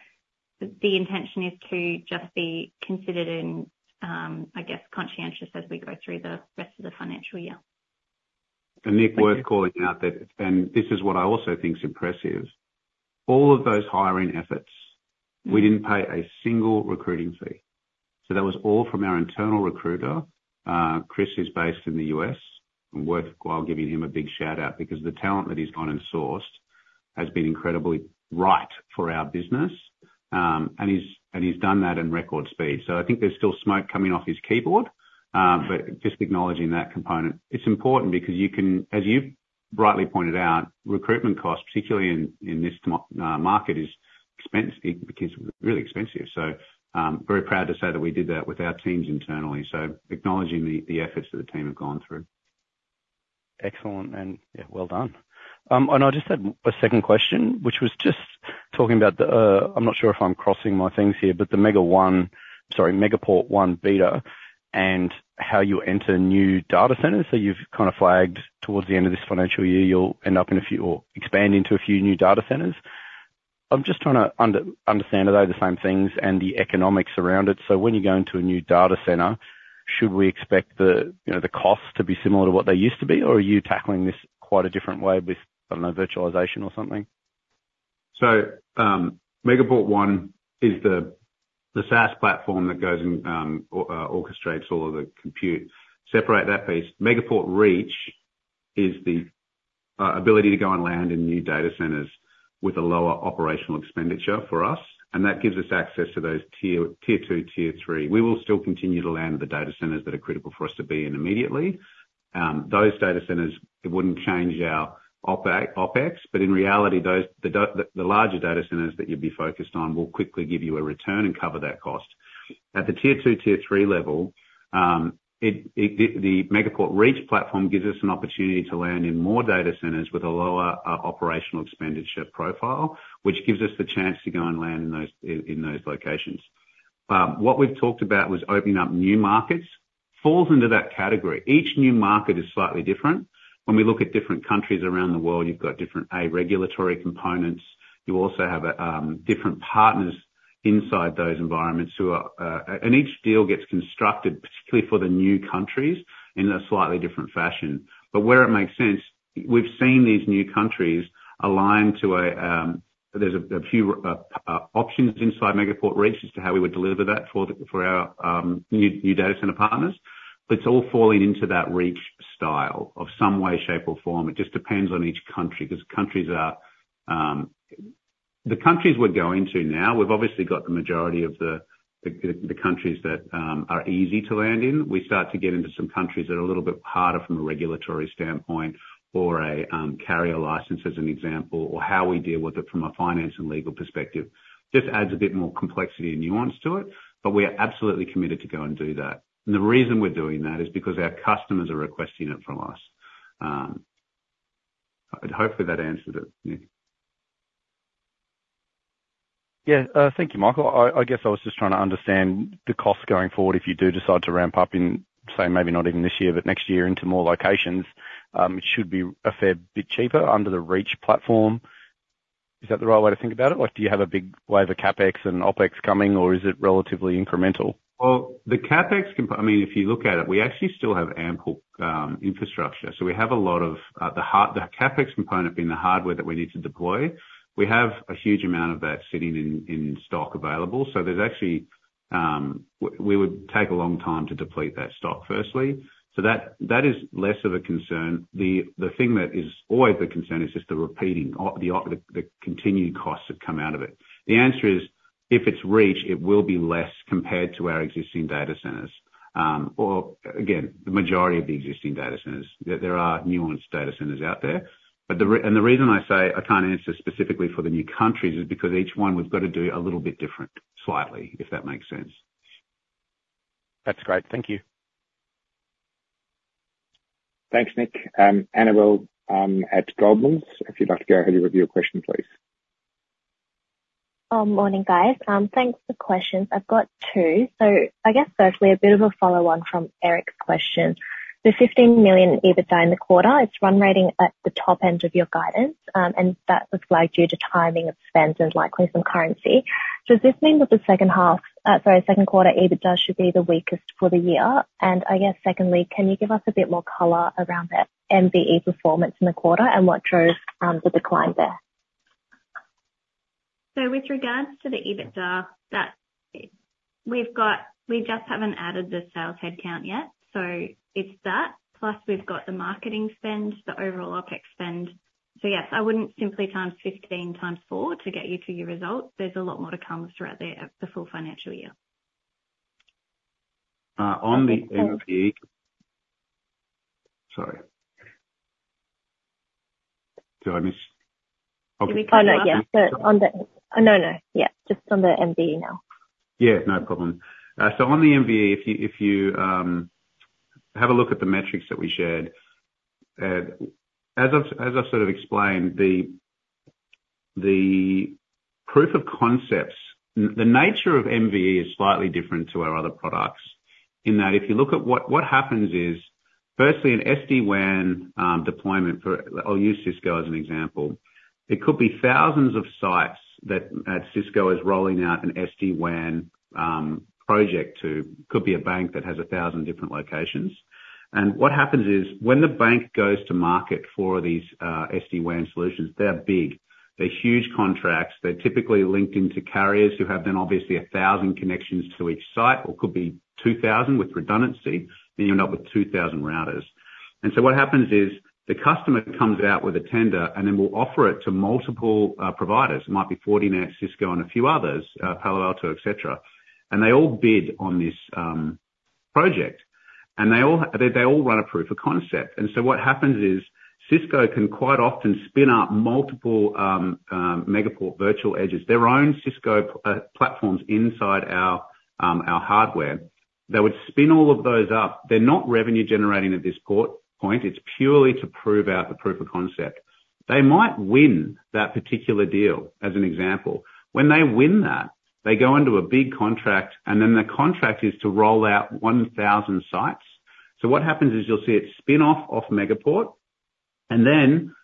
the intention is to just be considered and, I guess, conscientious as we go through the rest of the financial year. And Nick, worth calling out that, and this is what I also think is impressive, all of those hiring efforts, we didn't pay a single recruiting fee. So that was all from our internal recruiter. Chris is based in the U.S., and worthwhile giving him a big shout-out, because the talent that he's gone and sourced has been incredibly right for our business, and he's done that in record speed. So I think there's still smoke coming off his keyboard, but just acknowledging that component. It's important because you can, as you've rightly pointed out, recruitment costs, particularly in this market, is expensive. Becomes really expensive. So very proud to say that we did that with our teams internally. So acknowledging the efforts that the team have gone through. Excellent, and, yeah, well done. I just had a second question, which was just talking about the, I'm not sure if I'm crossing my things here, but the Megaport One beta, and how you enter new data centers. So you've kind of flagged towards the end of this financial year, you'll end up in a few or expand into a few new data centers. I'm just trying to understand, are they the same things and the economics around it? So when you go into a new data center, should we expect the, you know, the costs to be similar to what they used to be? Or are you tackling this quite a different way with, I don't know, virtualization or something? So, Megaport One is the SaaS platform that goes and orchestrates all of the compute. Separate that piece. Megaport Reach is the ability to go and land in new data centers with a lower operational expenditure for us, and that gives us access to those tier two, tier three. We will still continue to land the data centers that are critical for us to be in immediately. Those data centers, it wouldn't change our OpEx, but in reality, the larger data centers that you'd be focused on will quickly give you a return and cover that cost. At the tier two, tier three level, the Megaport Reach platform gives us an opportunity to land in more data centers with a lower operational expenditure profile, which gives us the chance to go and land in those locations. What we've talked about was opening up new markets, falls into that category. Each new market is slightly different. When we look at different countries around the world, you've got different regulatory components. You also have different partners inside those environments who are, and each deal gets constructed, particularly for the new countries, in a slightly different fashion. But where it makes sense, we've seen these new countries align to a... There's a few options inside Megaport Reach as to how we would deliver that for our new data center partners. But it's all falling into that reach style of some way, shape, or form. It just depends on each country, because countries are. The countries we're going to now, we've obviously got the majority of the countries that are easy to land in. We start to get into some countries that are a little bit harder from a regulatory standpoint or a carrier license, as an example, or how we deal with it from a finance and legal perspective. Just adds a bit more complexity and nuance to it, but we are absolutely committed to go and do that. And the reason we're doing that is because our customers are requesting it from us. Hopefully that answered it, Nick. Yeah, thank you, Michael. I, I guess I was just trying to understand the costs going forward, if you do decide to ramp up in, say, maybe not even this year, but next year, into more locations, it should be a fair bit cheaper under the Reach platform. Is that the right way to think about it, or do you have a big wave of CapEx and OpEx coming, or is it relatively incremental? Well, the CapEx—I mean, if you look at it, we actually still have ample infrastructure. So we have a lot of the CapEx component being the hardware that we need to deploy. We have a huge amount of that sitting in stock available. So there's actually we would take a long time to deplete that stock firstly. So that is less of a concern. The thing that is always the concern is just the repeating, or the continuing costs that come out of it. The answer is, if it's Reach, it will be less compared to our existing data centers, or again, the majority of the existing data centers. There are nuanced data centers out there. But the reason I say I can't answer specifically for the new countries is because each one we've got to do a little bit different, slightly, if that makes sense. That's great. Thank you. Thanks, Nick. Annabel, at Goldman, if you'd like to go ahead with your question, please. Morning, guys. Thanks for the questions. I've got two. So I guess firstly, a bit of a follow-on from Eric's question. The 15 million EBITDA in the quarter, it's run-rate at the top end of your guidance, and that was flagged due to timing of spend and likely some currency. Does this mean that the second half, sorry, second quarter EBITDA should be the weakest for the year? And I guess secondly, can you give us a bit more color around the MVE performance in the quarter and what drove the decline there? So with regards to the EBITDA, that's—we've got. We just haven't added the sales headcount yet, so it's that, plus we've got the marketing spend, the overall OpEx spend. So yes, I wouldn't simply times 15 times 4 to get you to your results. There's a lot more to come throughout the full financial year. On the MVE. Sorry. Did I miss? Oh, no. Yeah, so on the... Oh, no, no. Yeah, just on the MVE now. Yeah, no problem. So on the MVE, if you have a look at the metrics that we shared, as I've sort of explained, the proof of concepts, the nature of MVE is slightly different to our other products, in that if you look at what happens is, firstly, an SD-WAN deployment for... I'll use Cisco as an example. It could be thousands of sites that Cisco is rolling out an SD-WAN project to, could be a bank that has 1,000 different locations. And what happens is, when the bank goes to market for these SD-WAN solutions, they're big. They're huge contracts. They're typically linked into carriers who have then obviously 1,000 connections to each site, or could be 2,000 with redundancy, then you end up with 2,000 routers. And so what happens is, the customer comes out with a tender, and then we'll offer it to multiple providers. It might be Fortinet, Cisco and a few others, Palo Alto, et cetera. And they all bid on this project, and they all run a proof of concept. And so what happens is, Cisco can quite often spin up multiple Megaport Virtual Edges, their own Cisco platforms inside our hardware. They would spin all of those up. They're not revenue generating at this point. It's purely to prove out the proof of concept. They might win that particular deal, as an example. When they win that, they go into a big contract, and then the contract is to roll out 1,000 sites. So what happens is you'll see it spin-off off Megaport, and then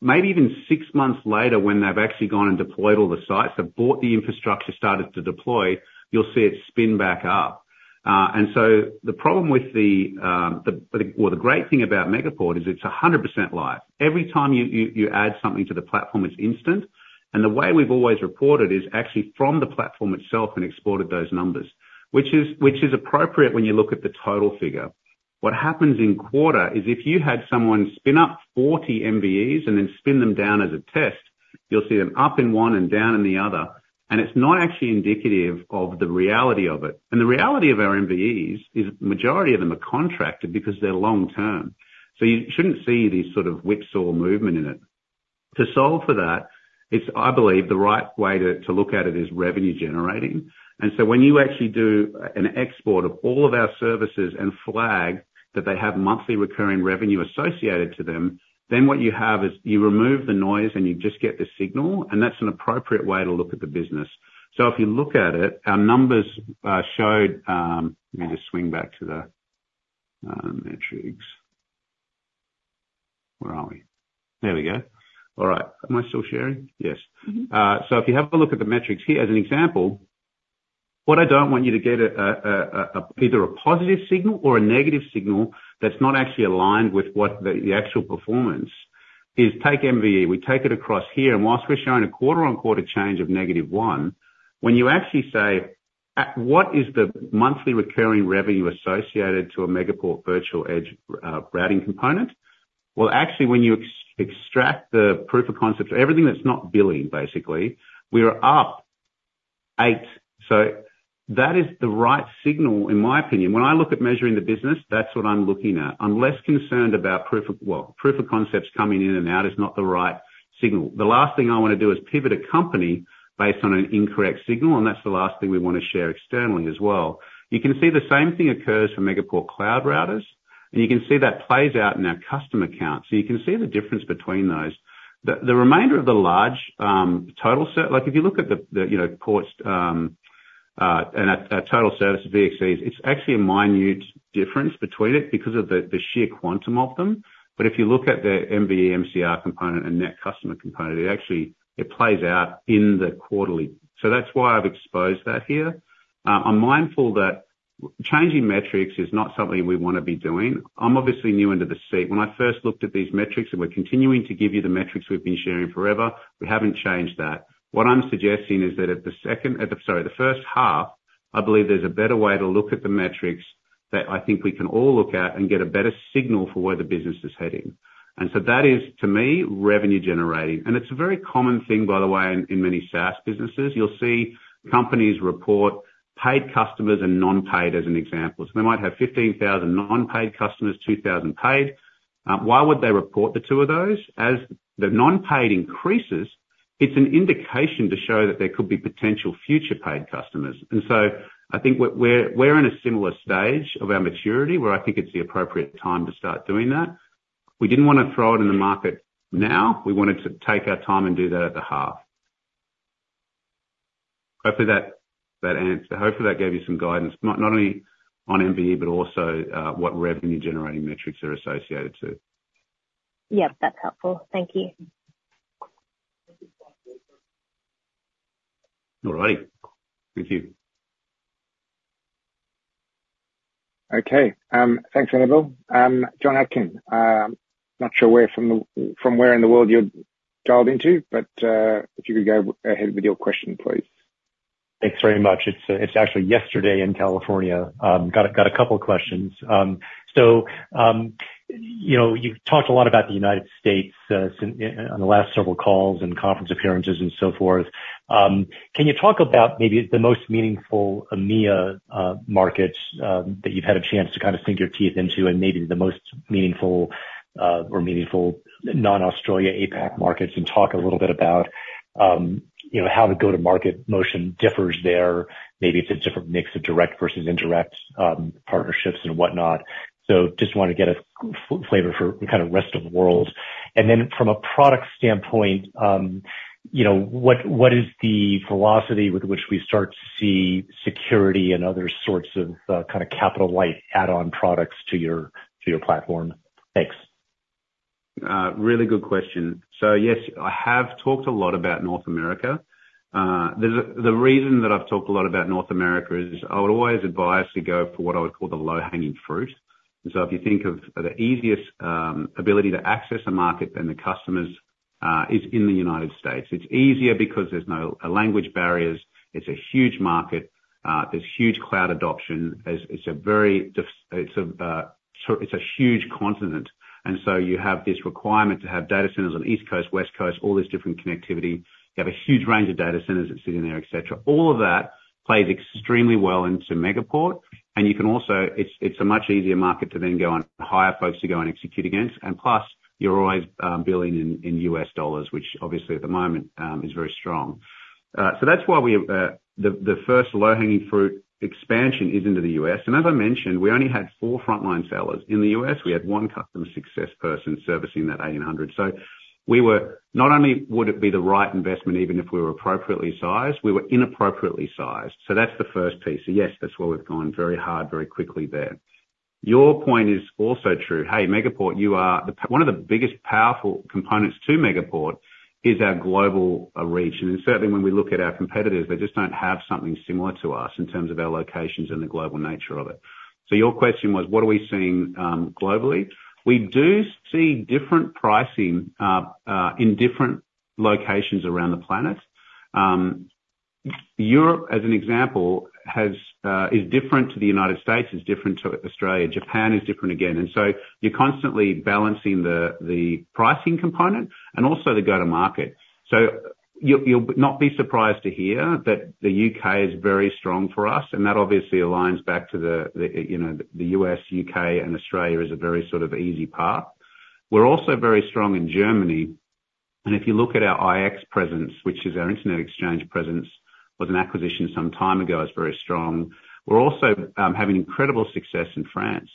maybe even six months later, when they've actually gone and deployed all the sites, they've bought the infrastructure, started to deploy, you'll see it spin back up. And so the problem with the-- Well, the great thing about Megaport is it's 100% live. Every time you, you, you add something to the platform, it's instant. And the way we've always reported is actually from the platform itself and exported those numbers, which is, which is appropriate when you look at the total figure. What happens in quarter, is if you had someone spin up 40 MVEs and then spin them down as a test, you'll see them up in one and down in the other, and it's not actually indicative of the reality of it. The reality of our MVEs is majority of them are contracted because they're long term. So you shouldn't see this sort of whipsaw movement in it. To solve for that, it's, I believe the right way to look at it is revenue generating. And so when you actually do an export of all of our services and flag that they have monthly recurring revenue associated to them, then what you have is, you remove the noise and you just get the signal, and that's an appropriate way to look at the business. So if you look at it, our numbers showed. Let me just swing back to the metrics. Where are we? There we go. All right. Am I still sharing? Yes. So if you have a look at the metrics here, as an example, what I don't want you to get, either a positive signal or a negative signal that's not actually aligned with what the actual performance is, take MVE. We take it across here, and while we're showing a quarter-on-quarter change of -1, when you actually say, what is the monthly recurring revenue associated to a Megaport Virtual Edge routing component? Well, actually, when you extract the proof of concept, everything that's not billing, basically, we are up 8. So that is the right signal, in my opinion. When I look at measuring the business, that's what I'm looking at. I'm less concerned about proof of concepts. Well, proof of concepts coming in and out is not the right signal. The last thing I want to do is pivot a company based on an incorrect signal, and that's the last thing we want to share externally as well. You can see the same thing occurs for Megaport Cloud Routers, and you can see that plays out in our customer count. So you can see the difference between those. The remainder of the large total set—like, if you look at the you know, Ports, and our total service VDCs, it's actually a minute difference between it because of the sheer quantum of them. But if you look at the MVE, MCR component and net customer component, it actually plays out in the quarterly. So that's why I've exposed that here. I'm mindful that changing metrics is not something we want to be doing. I'm obviously new into the seat. When I first looked at these metrics, and we're continuing to give you the metrics we've been sharing forever, we haven't changed that. What I'm suggesting is that at the second, sorry, the first half, I believe there's a better way to look at the metrics that I think we can all look at and get a better signal for where the business is heading. And so that is, to me, revenue generating. And it's a very common thing, by the way, in many SaaS businesses. You'll see companies report paid customers and non-paid, as an example. So they might have 15,000 non-paid customers, 2,000 paid. Why would they report the two of those? As the non-paid increases, it's an indication to show that there could be potential future paid customers. And so I think we're in a similar stage of our maturity, where I think it's the appropriate time to start doing that. We didn't want to throw it in the market now. We wanted to take our time and do that at the half. Hopefully that answer. Hopefully that gave you some guidance, not only on MVE, but also what revenue generating metrics are associated to. Yep, that's helpful. Thank you. All right. Thank you. Okay. Thanks, Annabel. Jon Atkin, not sure from where in the world you're dialed into, but if you could go ahead with your question, please. Thanks very much. It's, it's actually yesterday in California. Got a, got a couple questions. So, you know, you've talked a lot about the United States, in the last several calls and conference appearances and so forth. Can you talk about maybe the most meaningful EMEA, markets, that you've had a chance to kind of sink your teeth into, and maybe the most meaningful, or meaningful non-Australia APAC markets, and talk a little bit about, you know, how the go-to-market motion differs there. Maybe it's a different mix of direct versus indirect, partnerships and whatnot. So just want to get a flavor for kind of rest of the world. And then from a product standpoint, you know, what is the velocity with which we start to see security and other sorts of kind of capital light add-on products to your platform? Thanks. Really good question. So yes, I have talked a lot about North America. There's a reason that I've talked a lot about North America: I would always advise to go for what I would call the low-hanging fruit. So if you think of the easiest ability to access a market, then the customers is in the United States. It's easier because there's no language barriers. It's a huge market. There's huge cloud adoption. It's a very different, so it's a huge continent, and so you have this requirement to have data centers on the East Coast, West Coast, all this different connectivity. You have a huge range of data centers that sit in there, et cetera. All of that plays extremely well into Megaport, and you can also—it's a much easier market to then go and hire folks to go and execute against. And plus, you're always billing in U.S. dollars, which obviously at the moment is very strong. So that's why we, the first low-hanging fruit expansion is into the U.S., and as I mentioned, we only had 4 frontline sellers. In the U.S., we had one customer success person servicing that 1,800. So we were not only would it be the right investment, even if we were appropriately sized, we were inappropriately sized. So that's the first piece. So yes, that's why we've gone very hard, very quickly there. Your point is also true. Hey, Megaport, you are the one of the biggest powerful components to Megaport is our global reach. And certainly when we look at our competitors, they just don't have something similar to us in terms of our locations and the global nature of it. So your question was, what are we seeing globally? We do see different pricing in different locations around the planet. Europe, as an example, is different to the United States, is different to Australia. Japan is different again. And so you're constantly balancing the pricing component and also the go-to-market. So you'll not be surprised to hear that the U.K. is very strong for us, and that obviously aligns back to the, you know, the U.S., U.K., and Australia is a very sort of easy path. We're also very strong in Germany, and if you look at our IX presence, which is our Internet Exchange presence, was an acquisition some time ago, is very strong. We're also having incredible success in France.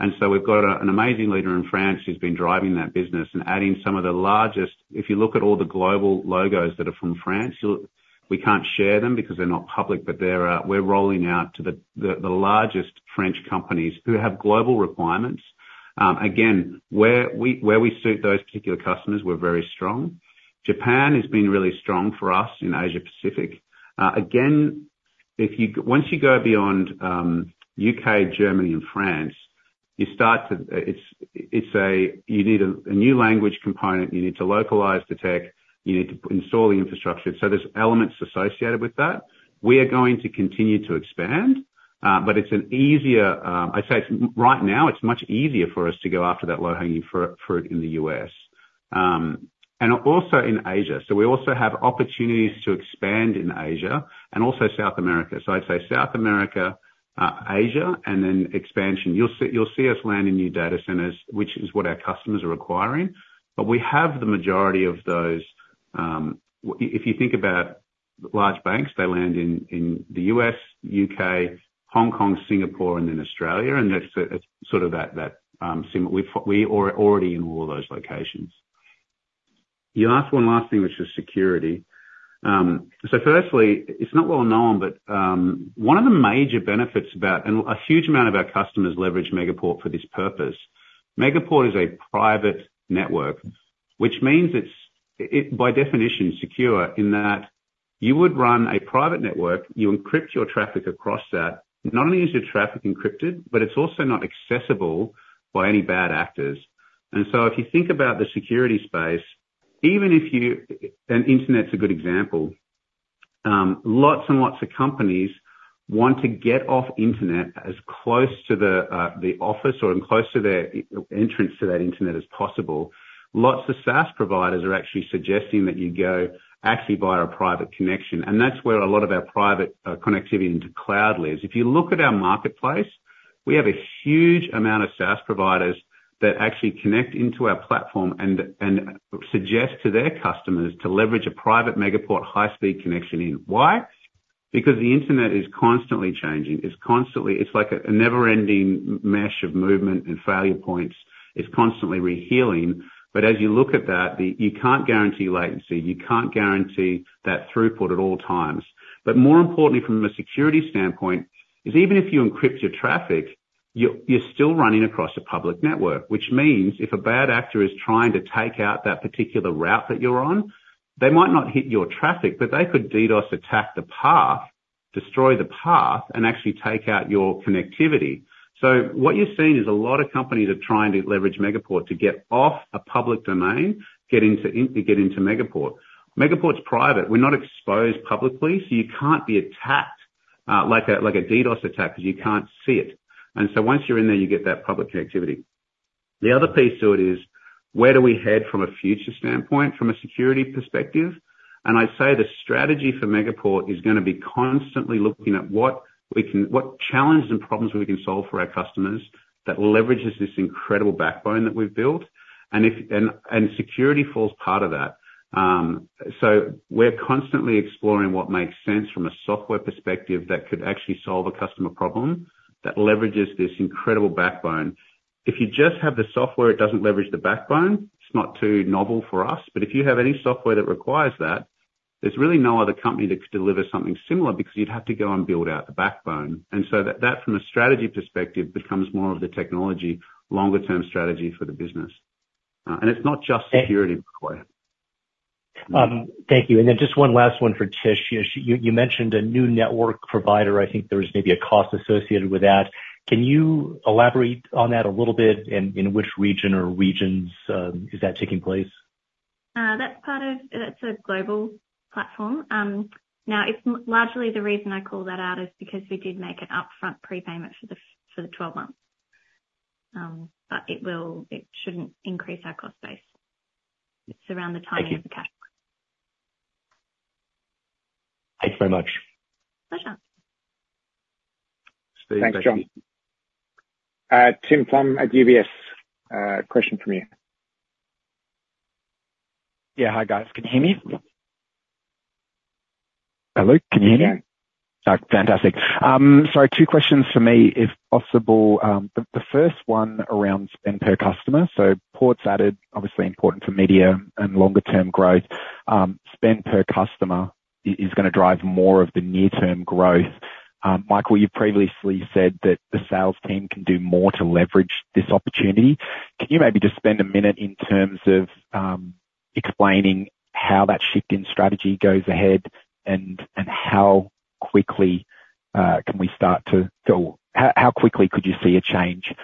And so we've got an amazing leader in France who's been driving that business and adding some of the largest... If you look at all the global logos that are from France, you'll, we can't share them because they're not public, but they're, we're rolling out to the, the, the largest French companies who have global requirements. Again, where we, where we suit those particular customers, we're very strong. Japan has been really strong for us in Asia Pacific. Again, if you once you go beyond, U.K., Germany, and France, you start to, it's, it's a, you need a, a new language component. You need to localize the tech. You need to install the infrastructure. So there's elements associated with that. We are going to continue to expand, but it's an easier, I'd say it's right now, it's much easier for us to go after that low-hanging fruit in the US, and also in Asia. So we also have opportunities to expand in Asia and also South America. So I'd say South America, Asia, and then expansion. You'll see us land in new data centers, which is what our customers are requiring, but we have the majority of those. If you think about large banks, they land in the US, UK, Hong Kong, Singapore, and in Australia, and that's sort of that similarity. We are already in all those locations. You asked one last thing, which was security. So, firstly, it's not well known, but one of the major benefits and a huge amount of our customers leverage Megaport for this purpose. Megaport is a private network, which means it's by definition secure, in that you would run a private network, you encrypt your traffic across that. Not only is your traffic encrypted, but it's also not accessible by any bad actors. And so if you think about the security space, and internet's a good example, lots and lots of companies want to get off internet as close to the office or as close to their entrance to that internet as possible. Lots of SaaS providers are actually suggesting that you go actually via a private connection, and that's where a lot of our private connectivity into cloud lives. If you look at our marketplace, we have a huge amount of SaaS providers that actually connect into our platform and suggest to their customers to leverage a private Megaport high-speed connection in. Why? Because the internet is constantly changing. It's constantly. It's like a never-ending mesh of movement and failure points. It's constantly rehealing. But as you look at that, you can't guarantee latency, you can't guarantee that throughput at all times. But more importantly, from a security standpoint, is even if you encrypt your traffic, you're still running across a public network, which means if a bad actor is trying to take out that particular route that you're on, they might not hit your traffic, but they could DDoS attack the path, destroy the path, and actually take out your connectivity. So what you're seeing is a lot of companies are trying to leverage Megaport to get off a public domain, get into it, get into Megaport. Megaport's private. We're not exposed publicly, so you can't be attacked, like a DDoS attack, because you can't see it. And so once you're in there, you get that public connectivity. The other piece to it is, where do we head from a future standpoint, from a security perspective? And I'd say the strategy for Megaport is going to be constantly looking at what we can, what challenges and problems we can solve for our customers that leverages this incredible backbone that we've built, and security falls part of that. So we're constantly exploring what makes sense from a software perspective that could actually solve a customer problem, that leverages this incredible backbone. If you just have the software, it doesn't leverage the backbone. It's not too novel for us, but if you have any software that requires that, there's really no other company that could deliver something similar, because you'd have to go and build out the backbone. And so that, that from a strategy perspective, becomes more of the technology, longer-term strategy for the business. And it's not just security required. ... Thank you. Then just one last one for Tish. You mentioned a new network provider. I think there was maybe a cost associated with that. Can you elaborate on that a little bit, and in which region or regions is that taking place? That's part of. That's a global platform. Now, it's largely the reason I call that out, is because we did make an upfront prepayment for the for the 12 months. But it will. It shouldn't increase our cost base. It's around the timing of the cash. Thank you very much. Pleasure! Thanks, John. Tim Plumbe at UBS, question from you. Yeah, hi, guys. Can you hear me? Hello, can you hear me? Yeah Fantastic. So two questions for me, if possible. The first one around spend per customer. So Ports added, obviously important for medium and longer term growth. Spend per customer is gonna drive more of the near-term growth. Michael, you've previously said that the sales team can do more to leverage this opportunity. Can you maybe just spend a minute in terms of explaining how that shift in strategy goes ahead, and how quickly can we start to... Or how quickly could you see a change,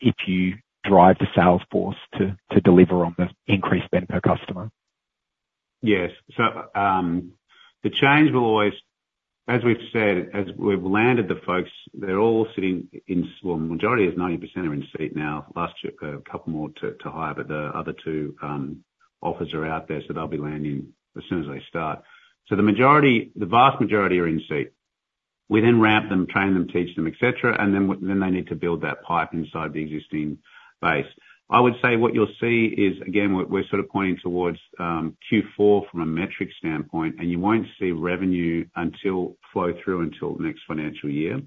if you drive the sales force to deliver on the increased spend per customer? Yes. So, the change will always, as we've said, as we've landed the folks, they're all sitting in... Well, majority, as 90% are in seat now. Last check, a couple more to hire, but the other two offers are out there, so they'll be landing as soon as they start. So the majority, the vast majority are in seat. We then ramp them, train them, teach them, et cetera, and then they need to build that pipe inside the existing base. I would say what you'll see is, again, we're sort of pointing towards Q4 from a metrics standpoint, and you won't see revenue until flow through until the next financial year.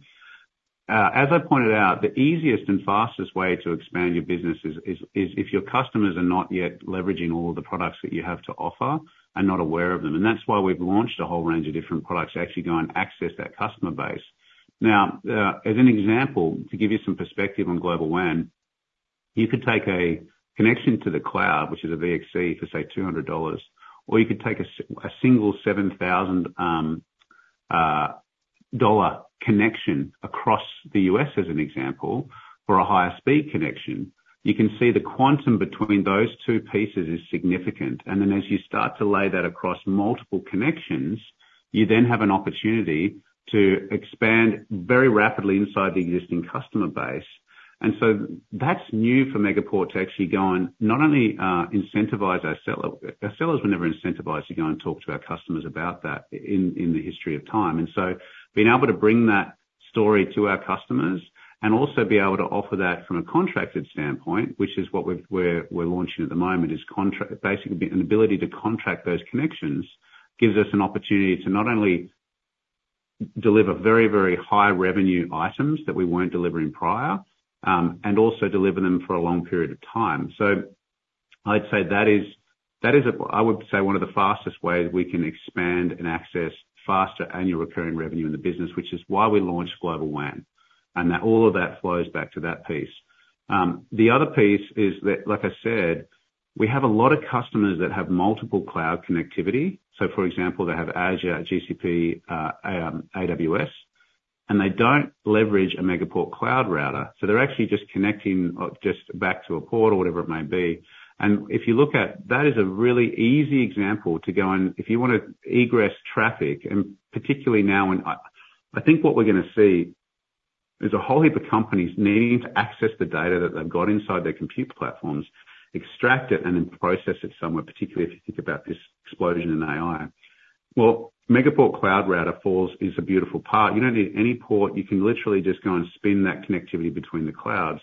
As I pointed out, the easiest and fastest way to expand your business is if your customers are not yet leveraging all of the products that you have to offer and not aware of them, and that's why we've launched a whole range of different products to actually go and access that customer base. Now, as an example, to give you some perspective on Global WAN, you could take a connection to the cloud, which is a VXC, for, say, $200, or you could take a single $7,000 connection across the U.S., as an example, for a higher speed connection. You can see the quantum between those two pieces is significant. And then as you start to lay that across multiple connections, you then have an opportunity to expand very rapidly inside the existing customer base. And so that's new for Megaport to actually go and not only incentivize our seller. Our sellers were never incentivized to go and talk to our customers about that in the history of time. Being able to bring that story to our customers, and also be able to offer that from a contracted standpoint, which is what we're launching at the moment, is basically an ability to contract those connections, gives us an opportunity to not only deliver very, very high revenue items that we weren't delivering prior, and also deliver them for a long period of time. So I'd say that is one of the fastest ways we can expand and access faster annual recurring revenue in the business, which is why we launched Global WAN, and that all of that flows back to that piece. The other piece is that, like I said, we have a lot of customers that have multiple cloud connectivity. So for example, they have Azure, GCP, AWS, and they don't leverage a Megaport Cloud Router, so they're actually just connecting just back to a Port or whatever it may be. And if you look at, that is a really easy example to go on. If you want to egress traffic, and particularly now, and I, I think what we're gonna see is a whole heap of companies needing to access the data that they've got inside their compute platforms, extract it, and then process it somewhere, particularly if you think about this explosion in AI. Well, Megaport Cloud Router falls is a beautiful part. You don't need any port. You can literally just go and spin that connectivity between the clouds.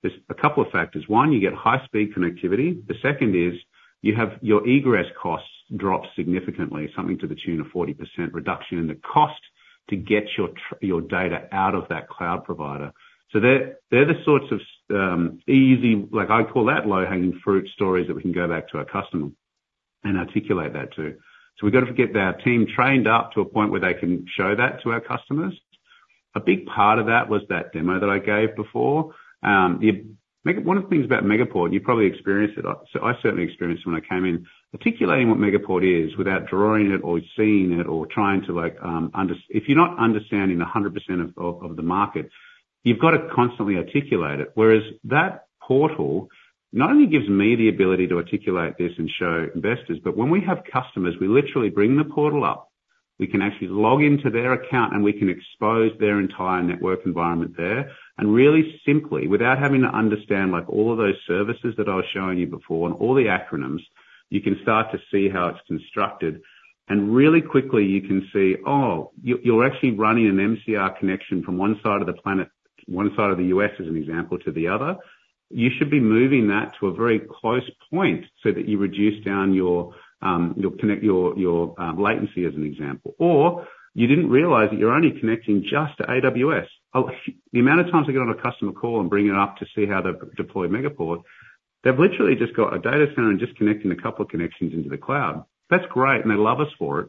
There's a couple of factors: One, you get high speed connectivity. The second is, you have your egress costs drop significantly, something to the tune of 40% reduction in the cost to get your your data out of that cloud provider. So they're the sorts of easy, like I call that low-hanging fruit stories, that we can go back to our customer and articulate that to. So we've got to get our team trained up to a point where they can show that to our customers. A big part of that was that demo that I gave before. One of the things about Megaport, you've probably experienced it. I, so I certainly experienced it when I came in. Articulating what Megaport is without drawing it or seeing it, or trying to, like, if you're not understanding 100% of the market, you've got to constantly articulate it. Whereas that portal not only gives me the ability to articulate this and show investors, but when we have customers, we literally bring the portal up, we can actually log into their account, and we can expose their entire network environment there. Really simply, without having to understand, like, all of those services that I was showing you before, and all the acronyms, you can start to see how it's constructed. Really quickly you can see, oh, you're actually running an MCR connection from one side of the planet, one side of the U.S., as an example, to the other. You should be moving that to a very close point so that you reduce down your latency, as an example. Or you didn't realize that you're only connecting just to AWS. Oh, the amount of times I get on a customer call and bring it up to see how to deploy Megaport, they've literally just got a data center and just connecting a couple of connections into the cloud. That's great, and they love us for it.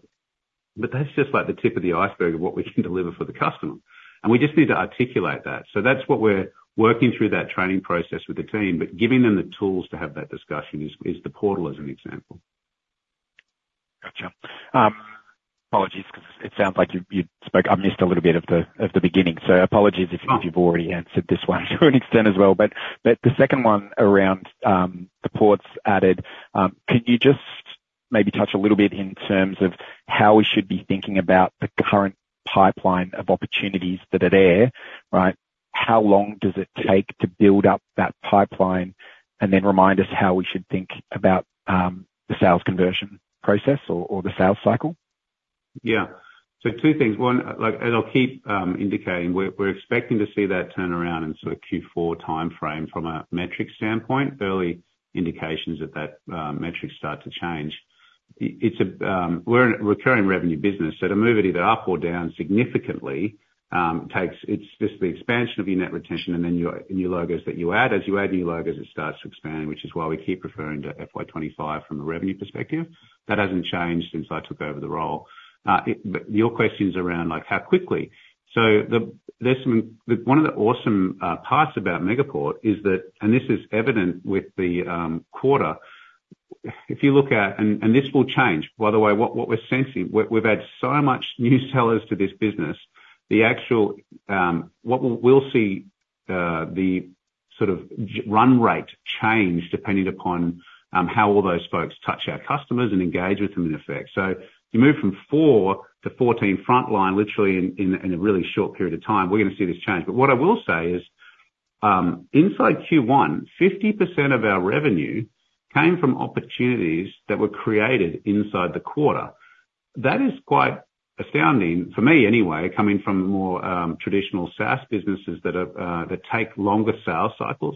But that's just like the tip of the iceberg of what we can deliver for the customer, and we just need to articulate that. So that's what we're working through that training process with the team, but giving them the tools to have that discussion is the portal as an example. Gotcha. Apologies, 'cause it sounds like you spoke—I've missed a little bit of the beginning, so apologies if you've already answered this one to an extent as well. But the second one around the ports added, could you just maybe touch a little bit in terms of how we should be thinking about the current pipeline of opportunities that are there, right? How long does it take to build up that pipeline? And then remind us how we should think about the sales conversion process or the sales cycle. Yeah. So two things. One, like, as I'll keep indicating, we're expecting to see that turnaround in sort of Q4 timeframe from a metric standpoint. Early indications that that metric start to change. It's we're in a recurring revenue business, so to move it either up or down significantly takes... It's just the expansion of your net retention and then your new logos that you add. As you add new logos, it starts expanding, which is why we keep referring to FY 25 from a revenue perspective. That hasn't changed since I took over the role. But your question is around, like, how quickly? So there's some- One of the awesome parts about Megaport is that, and this is evident with the quarter. If you look at... And this will change. By the way, what we're sensing, we've added so much new sellers to this business, the actual, what we'll see, the sort of run rate change depending upon how all those folks touch our customers and engage with them in effect. So you move from 4 to 14 frontline, literally in a really short period of time, we're going to see this change. But what I will say is, inside Q1, 50% of our revenue came from opportunities that were created inside the quarter. That is quite astounding, for me anyway, coming from the more traditional SaaS businesses that are that take longer sales cycles.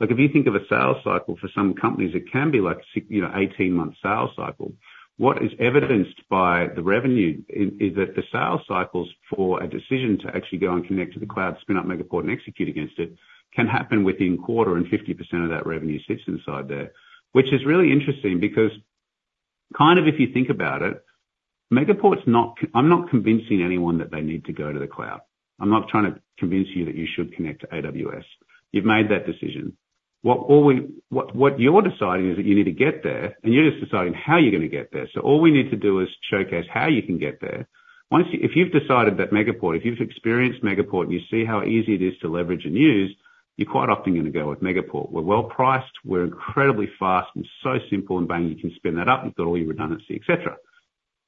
Like, if you think of a sales cycle, for some companies, it can be like 6, you know, 18-month sales cycle. What is evidenced by the revenue is that the sales cycles for a decision to actually go and connect to the cloud, spin up Megaport and execute against it, can happen within a quarter and 50% of that revenue sits inside there. Which is really interesting, because kind of if you think about it, Megaport's not—I'm not convincing anyone that they need to go to the cloud. I'm not trying to convince you that you should connect to AWS. You've made that decision. What all we—What you're deciding is that you need to get there, and you're just deciding how you're going to get there. So all we need to do is showcase how you can get there. Once you—if you've decided that Megaport, if you've experienced Megaport and you see how easy it is to leverage and use, you're quite often going to go with Megaport. We're well-priced, we're incredibly fast and so simple, and bang, you can spin that up, you've got all your redundancy, et cetera.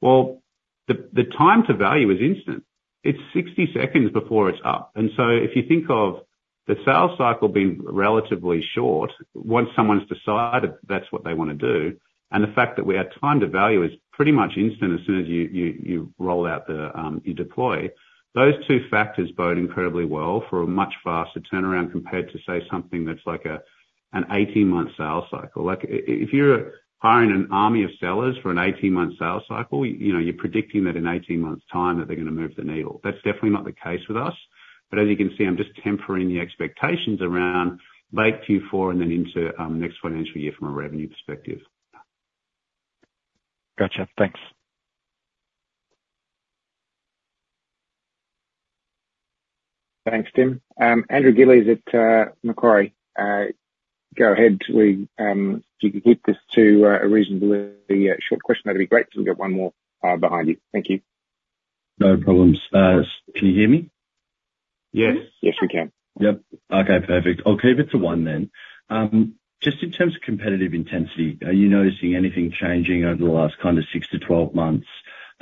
Well, the time to value is instant. It's 60 seconds before it's up. And so if you think of the sales cycle being relatively short, once someone's decided that's what they want to do, and the fact that our time to value is pretty much instant as soon as you roll out the, you deploy, those two factors bode incredibly well for a much faster turnaround compared to, say, something that's like an 18-month sales cycle. Like, if you're hiring an army of sellers for an 18-month sales cycle, you know, you're predicting that in 18 months' time that they're going to move the needle. That's definitely not the case with us. But as you can see, I'm just tempering the expectations around late Q4 and then into next financial year from a revenue perspective. Gotcha. Thanks. Thanks, Tim. Andrew Gillies at Macquarie, go ahead. If you could keep this to a reasonably short question, that'd be great. So we've got one more behind you. Thank you. No problems. Can you hear me? Yes. Yes, we can. Yep. Okay, perfect. I'll keep it to one then. Just in terms of competitive intensity, are you noticing anything changing over the last kind of 6-12 months,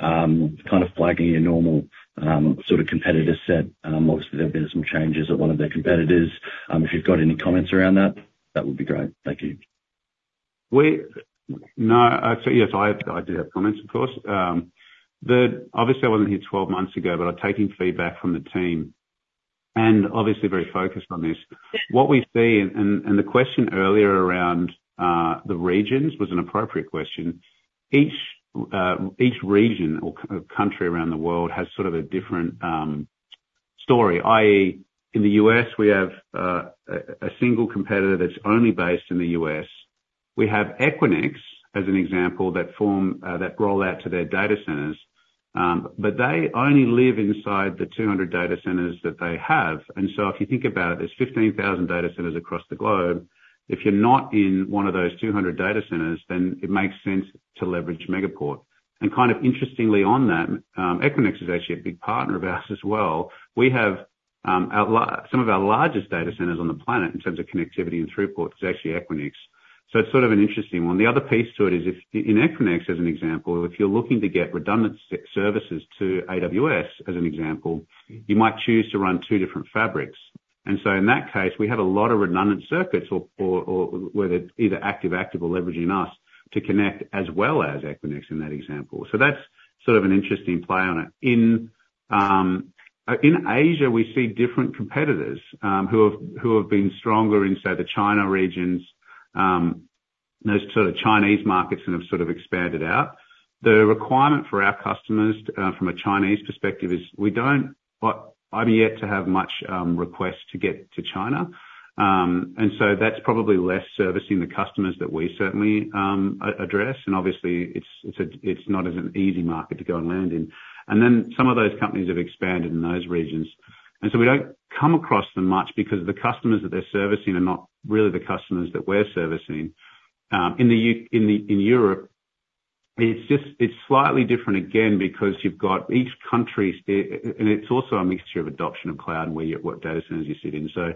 kind of flagging your normal, sort of competitor set? Obviously there have been some changes at one of their competitors. If you've got any comments around that, that would be great. Thank you. No, actually, yes, I do have comments, of course. Obviously, I wasn't here 12 months ago, but I'm taking feedback from the team, and obviously very focused on this. What we see, and the question earlier around the regions was an appropriate question. Each region or country around the world has sort of a different story, i.e., in the U.S., we have a single competitor that's only based in the U.S. We have Equinix, as an example, that roll out to their data centers, but they only live inside the 200 data centers that they have. And so if you think about it, there's 15,000 data centers across the globe. If you're not in one of those 200 data centers, then it makes sense to leverage Megaport. Kind of interestingly on that, Equinix is actually a big partner of ours as well. We have, some of our largest data centers on the planet, in terms of connectivity and throughput, is actually Equinix. So it's sort of an interesting one. The other piece to it is, in Equinix, as an example, if you're looking to get redundant services to AWS, as an example, you might choose to run two different fabrics. And so in that case, we have a lot of redundant circuits or whether it's either Active-Active or leveraging us, to connect as well as Equinix in that example. So that's sort of an interesting play on it. In Asia, we see different competitors who have been stronger in, say, the China regions, those sort of Chinese markets and have sort of expanded out. The requirement for our customers from a Chinese perspective is we don't... Well, I've yet to have much request to get to China.... And so that's probably less servicing the customers that we certainly address, and obviously it's not as an easy market to go and land in. And then some of those companies have expanded in those regions, and so we don't come across them much because the customers that they're servicing are not really the customers that we're servicing. In Europe, it's just slightly different again, because you've got each country's data and it's also a mixture of adoption of cloud and where you, what data centers you sit in. So,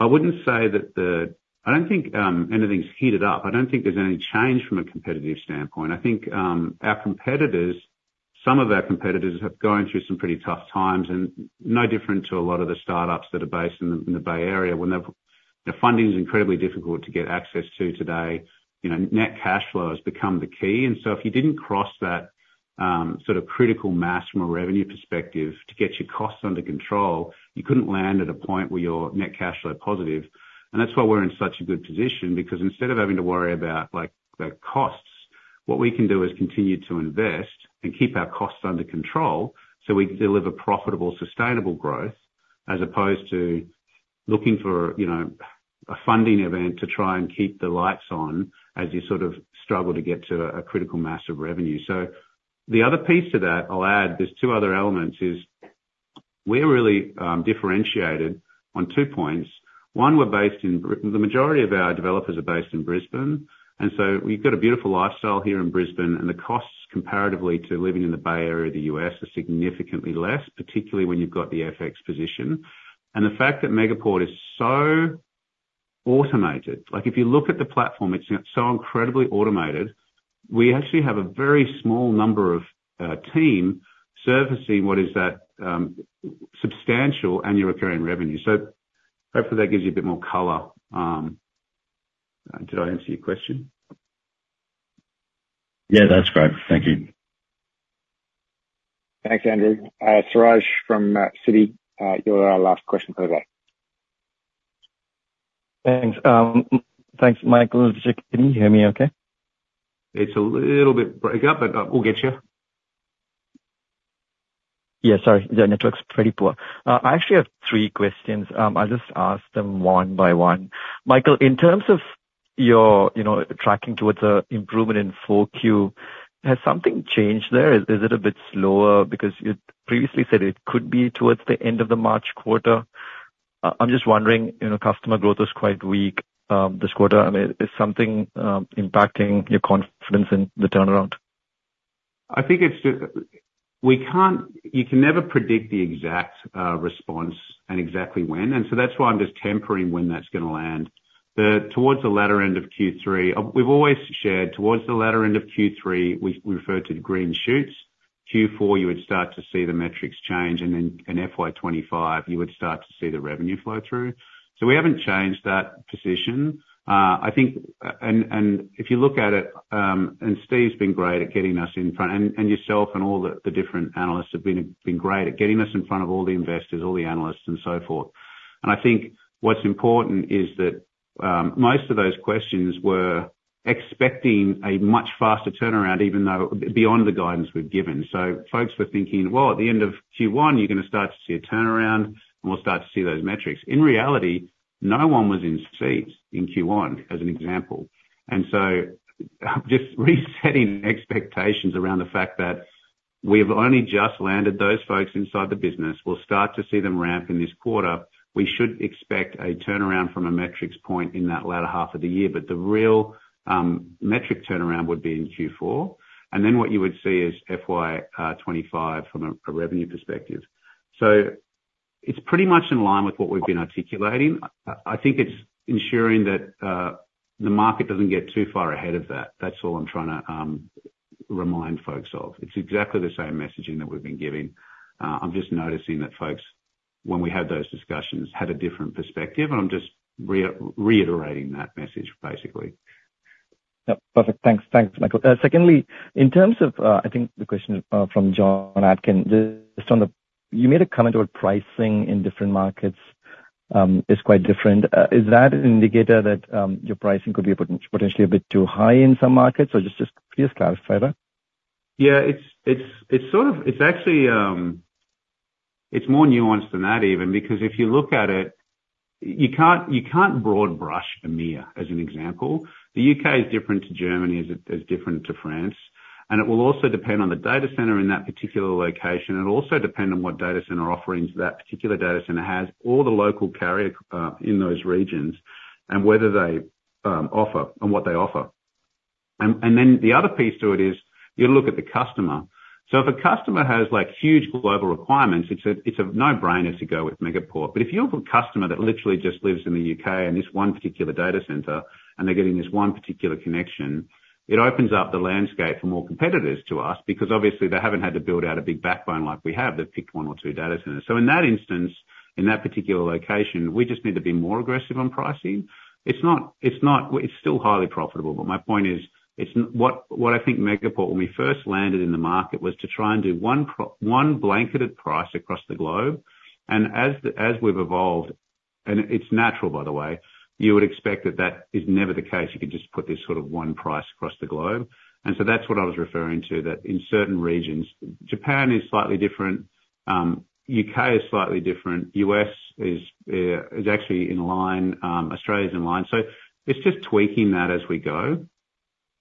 I wouldn't say that the—I don't think anything's heated up. I don't think there's any change from a competitive standpoint. I think our competitors, some of our competitors have gone through some pretty tough times, and no different to a lot of the startups that are based in the Bay Area, when the funding is incredibly difficult to get access to today, you know, net cash flow has become the key. And so if you didn't cross that, sort of critical mass from a revenue perspective to get your costs under control, you couldn't land at a point where you're net cash flow positive. And that's why we're in such a good position, because instead of having to worry about, like, the costs, what we can do is continue to invest and keep our costs under control, so we can deliver profitable, sustainable growth, as opposed to looking for, you know, a funding event to try and keep the lights on, as you sort of struggle to get to a critical mass of revenue. So the other piece to that, I'll add, there's two other elements, is we're really, differentiated on two points. 1, we're based in—the majority of our developers are based in Brisbane, and so we've got a beautiful lifestyle here in Brisbane, and the costs comparatively to living in the Bay Area of the U.S. are significantly less, particularly when you've got the FX position. And the fact that Megaport is so automated, like, if you look at the platform, it's so incredibly automated. We actually have a very small number of team servicing what is that, substantial annual recurring revenue. So hopefully that gives you a bit more color. Did I answer your question? Yeah, that's great. Thank you. Thanks, Andrew. Suraj from Citi, you're our last question for the day. Thanks. Thanks, Michael. Can you hear me okay? It's a little bit breaking up, but we'll get you. Yeah, sorry. The network's pretty poor. I actually have three questions. I'll just ask them one by one. Michael, in terms of your, you know, tracking towards an improvement in 4Q, has something changed there? Is, is it a bit slower? Because you previously said it could be towards the end of the March quarter. I'm just wondering, you know, customer growth was quite weak this quarter. I mean, is something impacting your confidence in the turnaround? I think it's just... We can't-- You can never predict the exact, response and exactly when, and so that's why I'm just tempering when that's gonna land. Then, towards the latter end of Q3, we've always shared towards the latter end of Q3, we refer to green shoots. Q4, you would start to see the metrics change, and then in FY 25, you would start to see the revenue flow through. So we haven't changed that position. I think, and if you look at it, and Steve's been great at getting us in front, and yourself and all the different analysts have been great at getting us in front of all the investors, all the analysts, and so forth. I think what's important is that most of those questions were expecting a much faster turnaround, even though beyond the guidance we've given. So folks were thinking, "Well, at the end of Q1, you're gonna start to see a turnaround, and we'll start to see those metrics." In reality, no one was in seat in Q1, as an example. So just resetting expectations around the fact that we've only just landed those folks inside the business. We'll start to see them ramp in this quarter. We should expect a turnaround from a metrics point in that latter half of the year, but the real metric turnaround would be in Q4. And then what you would see is FY 2025 from a revenue perspective. So it's pretty much in line with what we've been articulating. I think it's ensuring that the market doesn't get too far ahead of that. That's all I'm trying to remind folks of. It's exactly the same messaging that we've been giving. I'm just noticing that folks, when we had those discussions, had a different perspective, and I'm just reiterating that message, basically. Yep. Perfect. Thanks. Thanks, Michael. Secondly, in terms of, I think the question from Jon Atkin, just on the... You made a comment about pricing in different markets, is quite different. Is that an indicator that your pricing could be potentially a bit too high in some markets, or just please clarify that? Yeah, it's sort of, it's actually, it's more nuanced than that even, because if you look at it, you can't broad brush EMEA, as an example. The UK is different to Germany, is different to France, and it will also depend on the data center in that particular location. It'll also depend on what data center offerings that particular data center has, or the local carrier in those regions, and whether they offer and what they offer. And then the other piece to it is, you look at the customer. So if a customer has, like, huge global requirements, it's a no-brainer to go with Megaport. But if you have a customer that literally just lives in the UK in this one particular data center, and they're getting this one particular connection, it opens up the landscape for more competitors to us, because obviously they haven't had to build out a big backbone like we have. They've picked one or two data centers. So in that instance, in that particular location, we just need to be more aggressive on pricing. It's still highly profitable, but my point is, what, what I think Megaport, when we first landed in the market, was to try and do one blanket price across the globe, and as we've evolved, and it's natural, by the way, you would expect that that is never the case, you can just put this sort of one price across the globe. And so that's what I was referring to, that in certain regions, Japan is slightly different, U.K. is slightly different, U.S. is actually in line, Australia's in line. So it's just tweaking that as we go.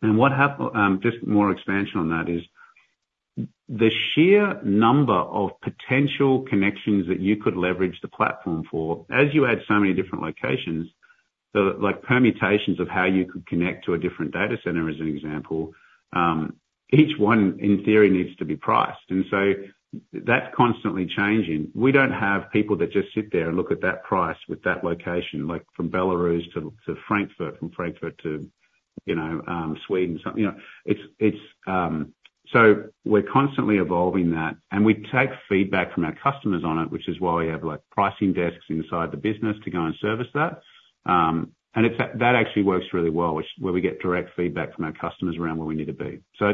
And just more expansion on that is, the sheer number of potential connections that you could leverage the platform for, as you add so many different locations, the, like, permutations of how you could connect to a different data center, as an example, each one, in theory, needs to be priced, and so that's constantly changing. We don't have people that just sit there and look at that price with that location, like from Belarus to Frankfurt, from Frankfurt to, you know, Sweden, you know. It's so we're constantly evolving that, and we take feedback from our customers on it, which is why we have, like, pricing desks inside the business to go and service that. And it's that actually works really well, which where we get direct feedback from our customers around where we need to be. So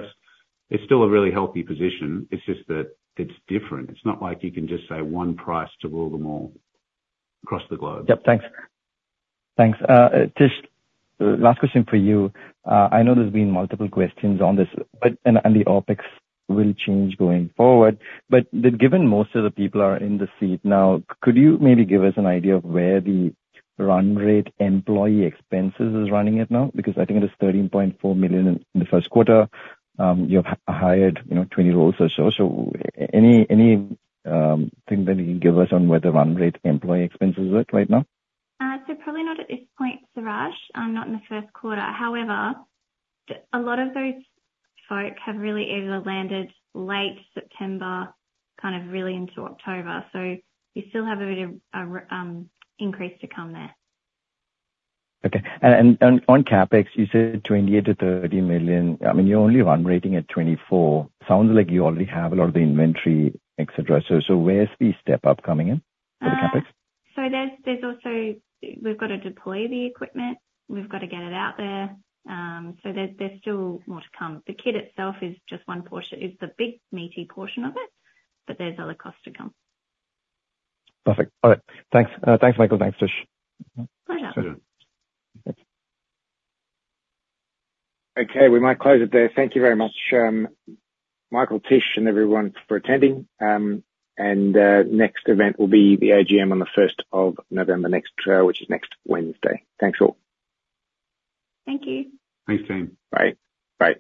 it's still a really healthy position, it's just that it's different. It's not like you can just say one price to rule them all across the globe. Yep, thanks. Thanks. Tish, last question for you. I know there's been multiple questions on this, but and the OpEx will change going forward. But given most of the people are in the seat now, could you maybe give us an idea of where the run rate employee expenses is running at now? Because I think it is 13.4 million in the first quarter. You've hired, you know, 20 roles or so. So any thing that you can give us on where the run rate employee expenses is at right now? So probably not at this point, Suraj, not in the first quarter. However, a lot of those folks have really either landed late September, kind of really into October, so you still have a bit of increase to come there. Okay. And on CapEx, you said 28 million-30 million. I mean, you're only run rate at 24 million. Sounds like you already have a lot of the inventory, et cetera. So where's the step-up coming in for the CapEx? So there's also... We've got to deploy the equipment. We've got to get it out there. So there's still more to come. The kit itself is just one portion. It's the big, meaty portion of it, but there's other costs to come. Perfect. All right. Thanks. Thanks, Michael. Thanks, Tish. Pleasure. Thanks. Okay, we might close it there. Thank you very much, Michael, Tish, and everyone for attending. Next event will be the AGM on the first of November next, which is next Wednesday. Thanks, all. Thank you. Thanks, team. Bye. Bye.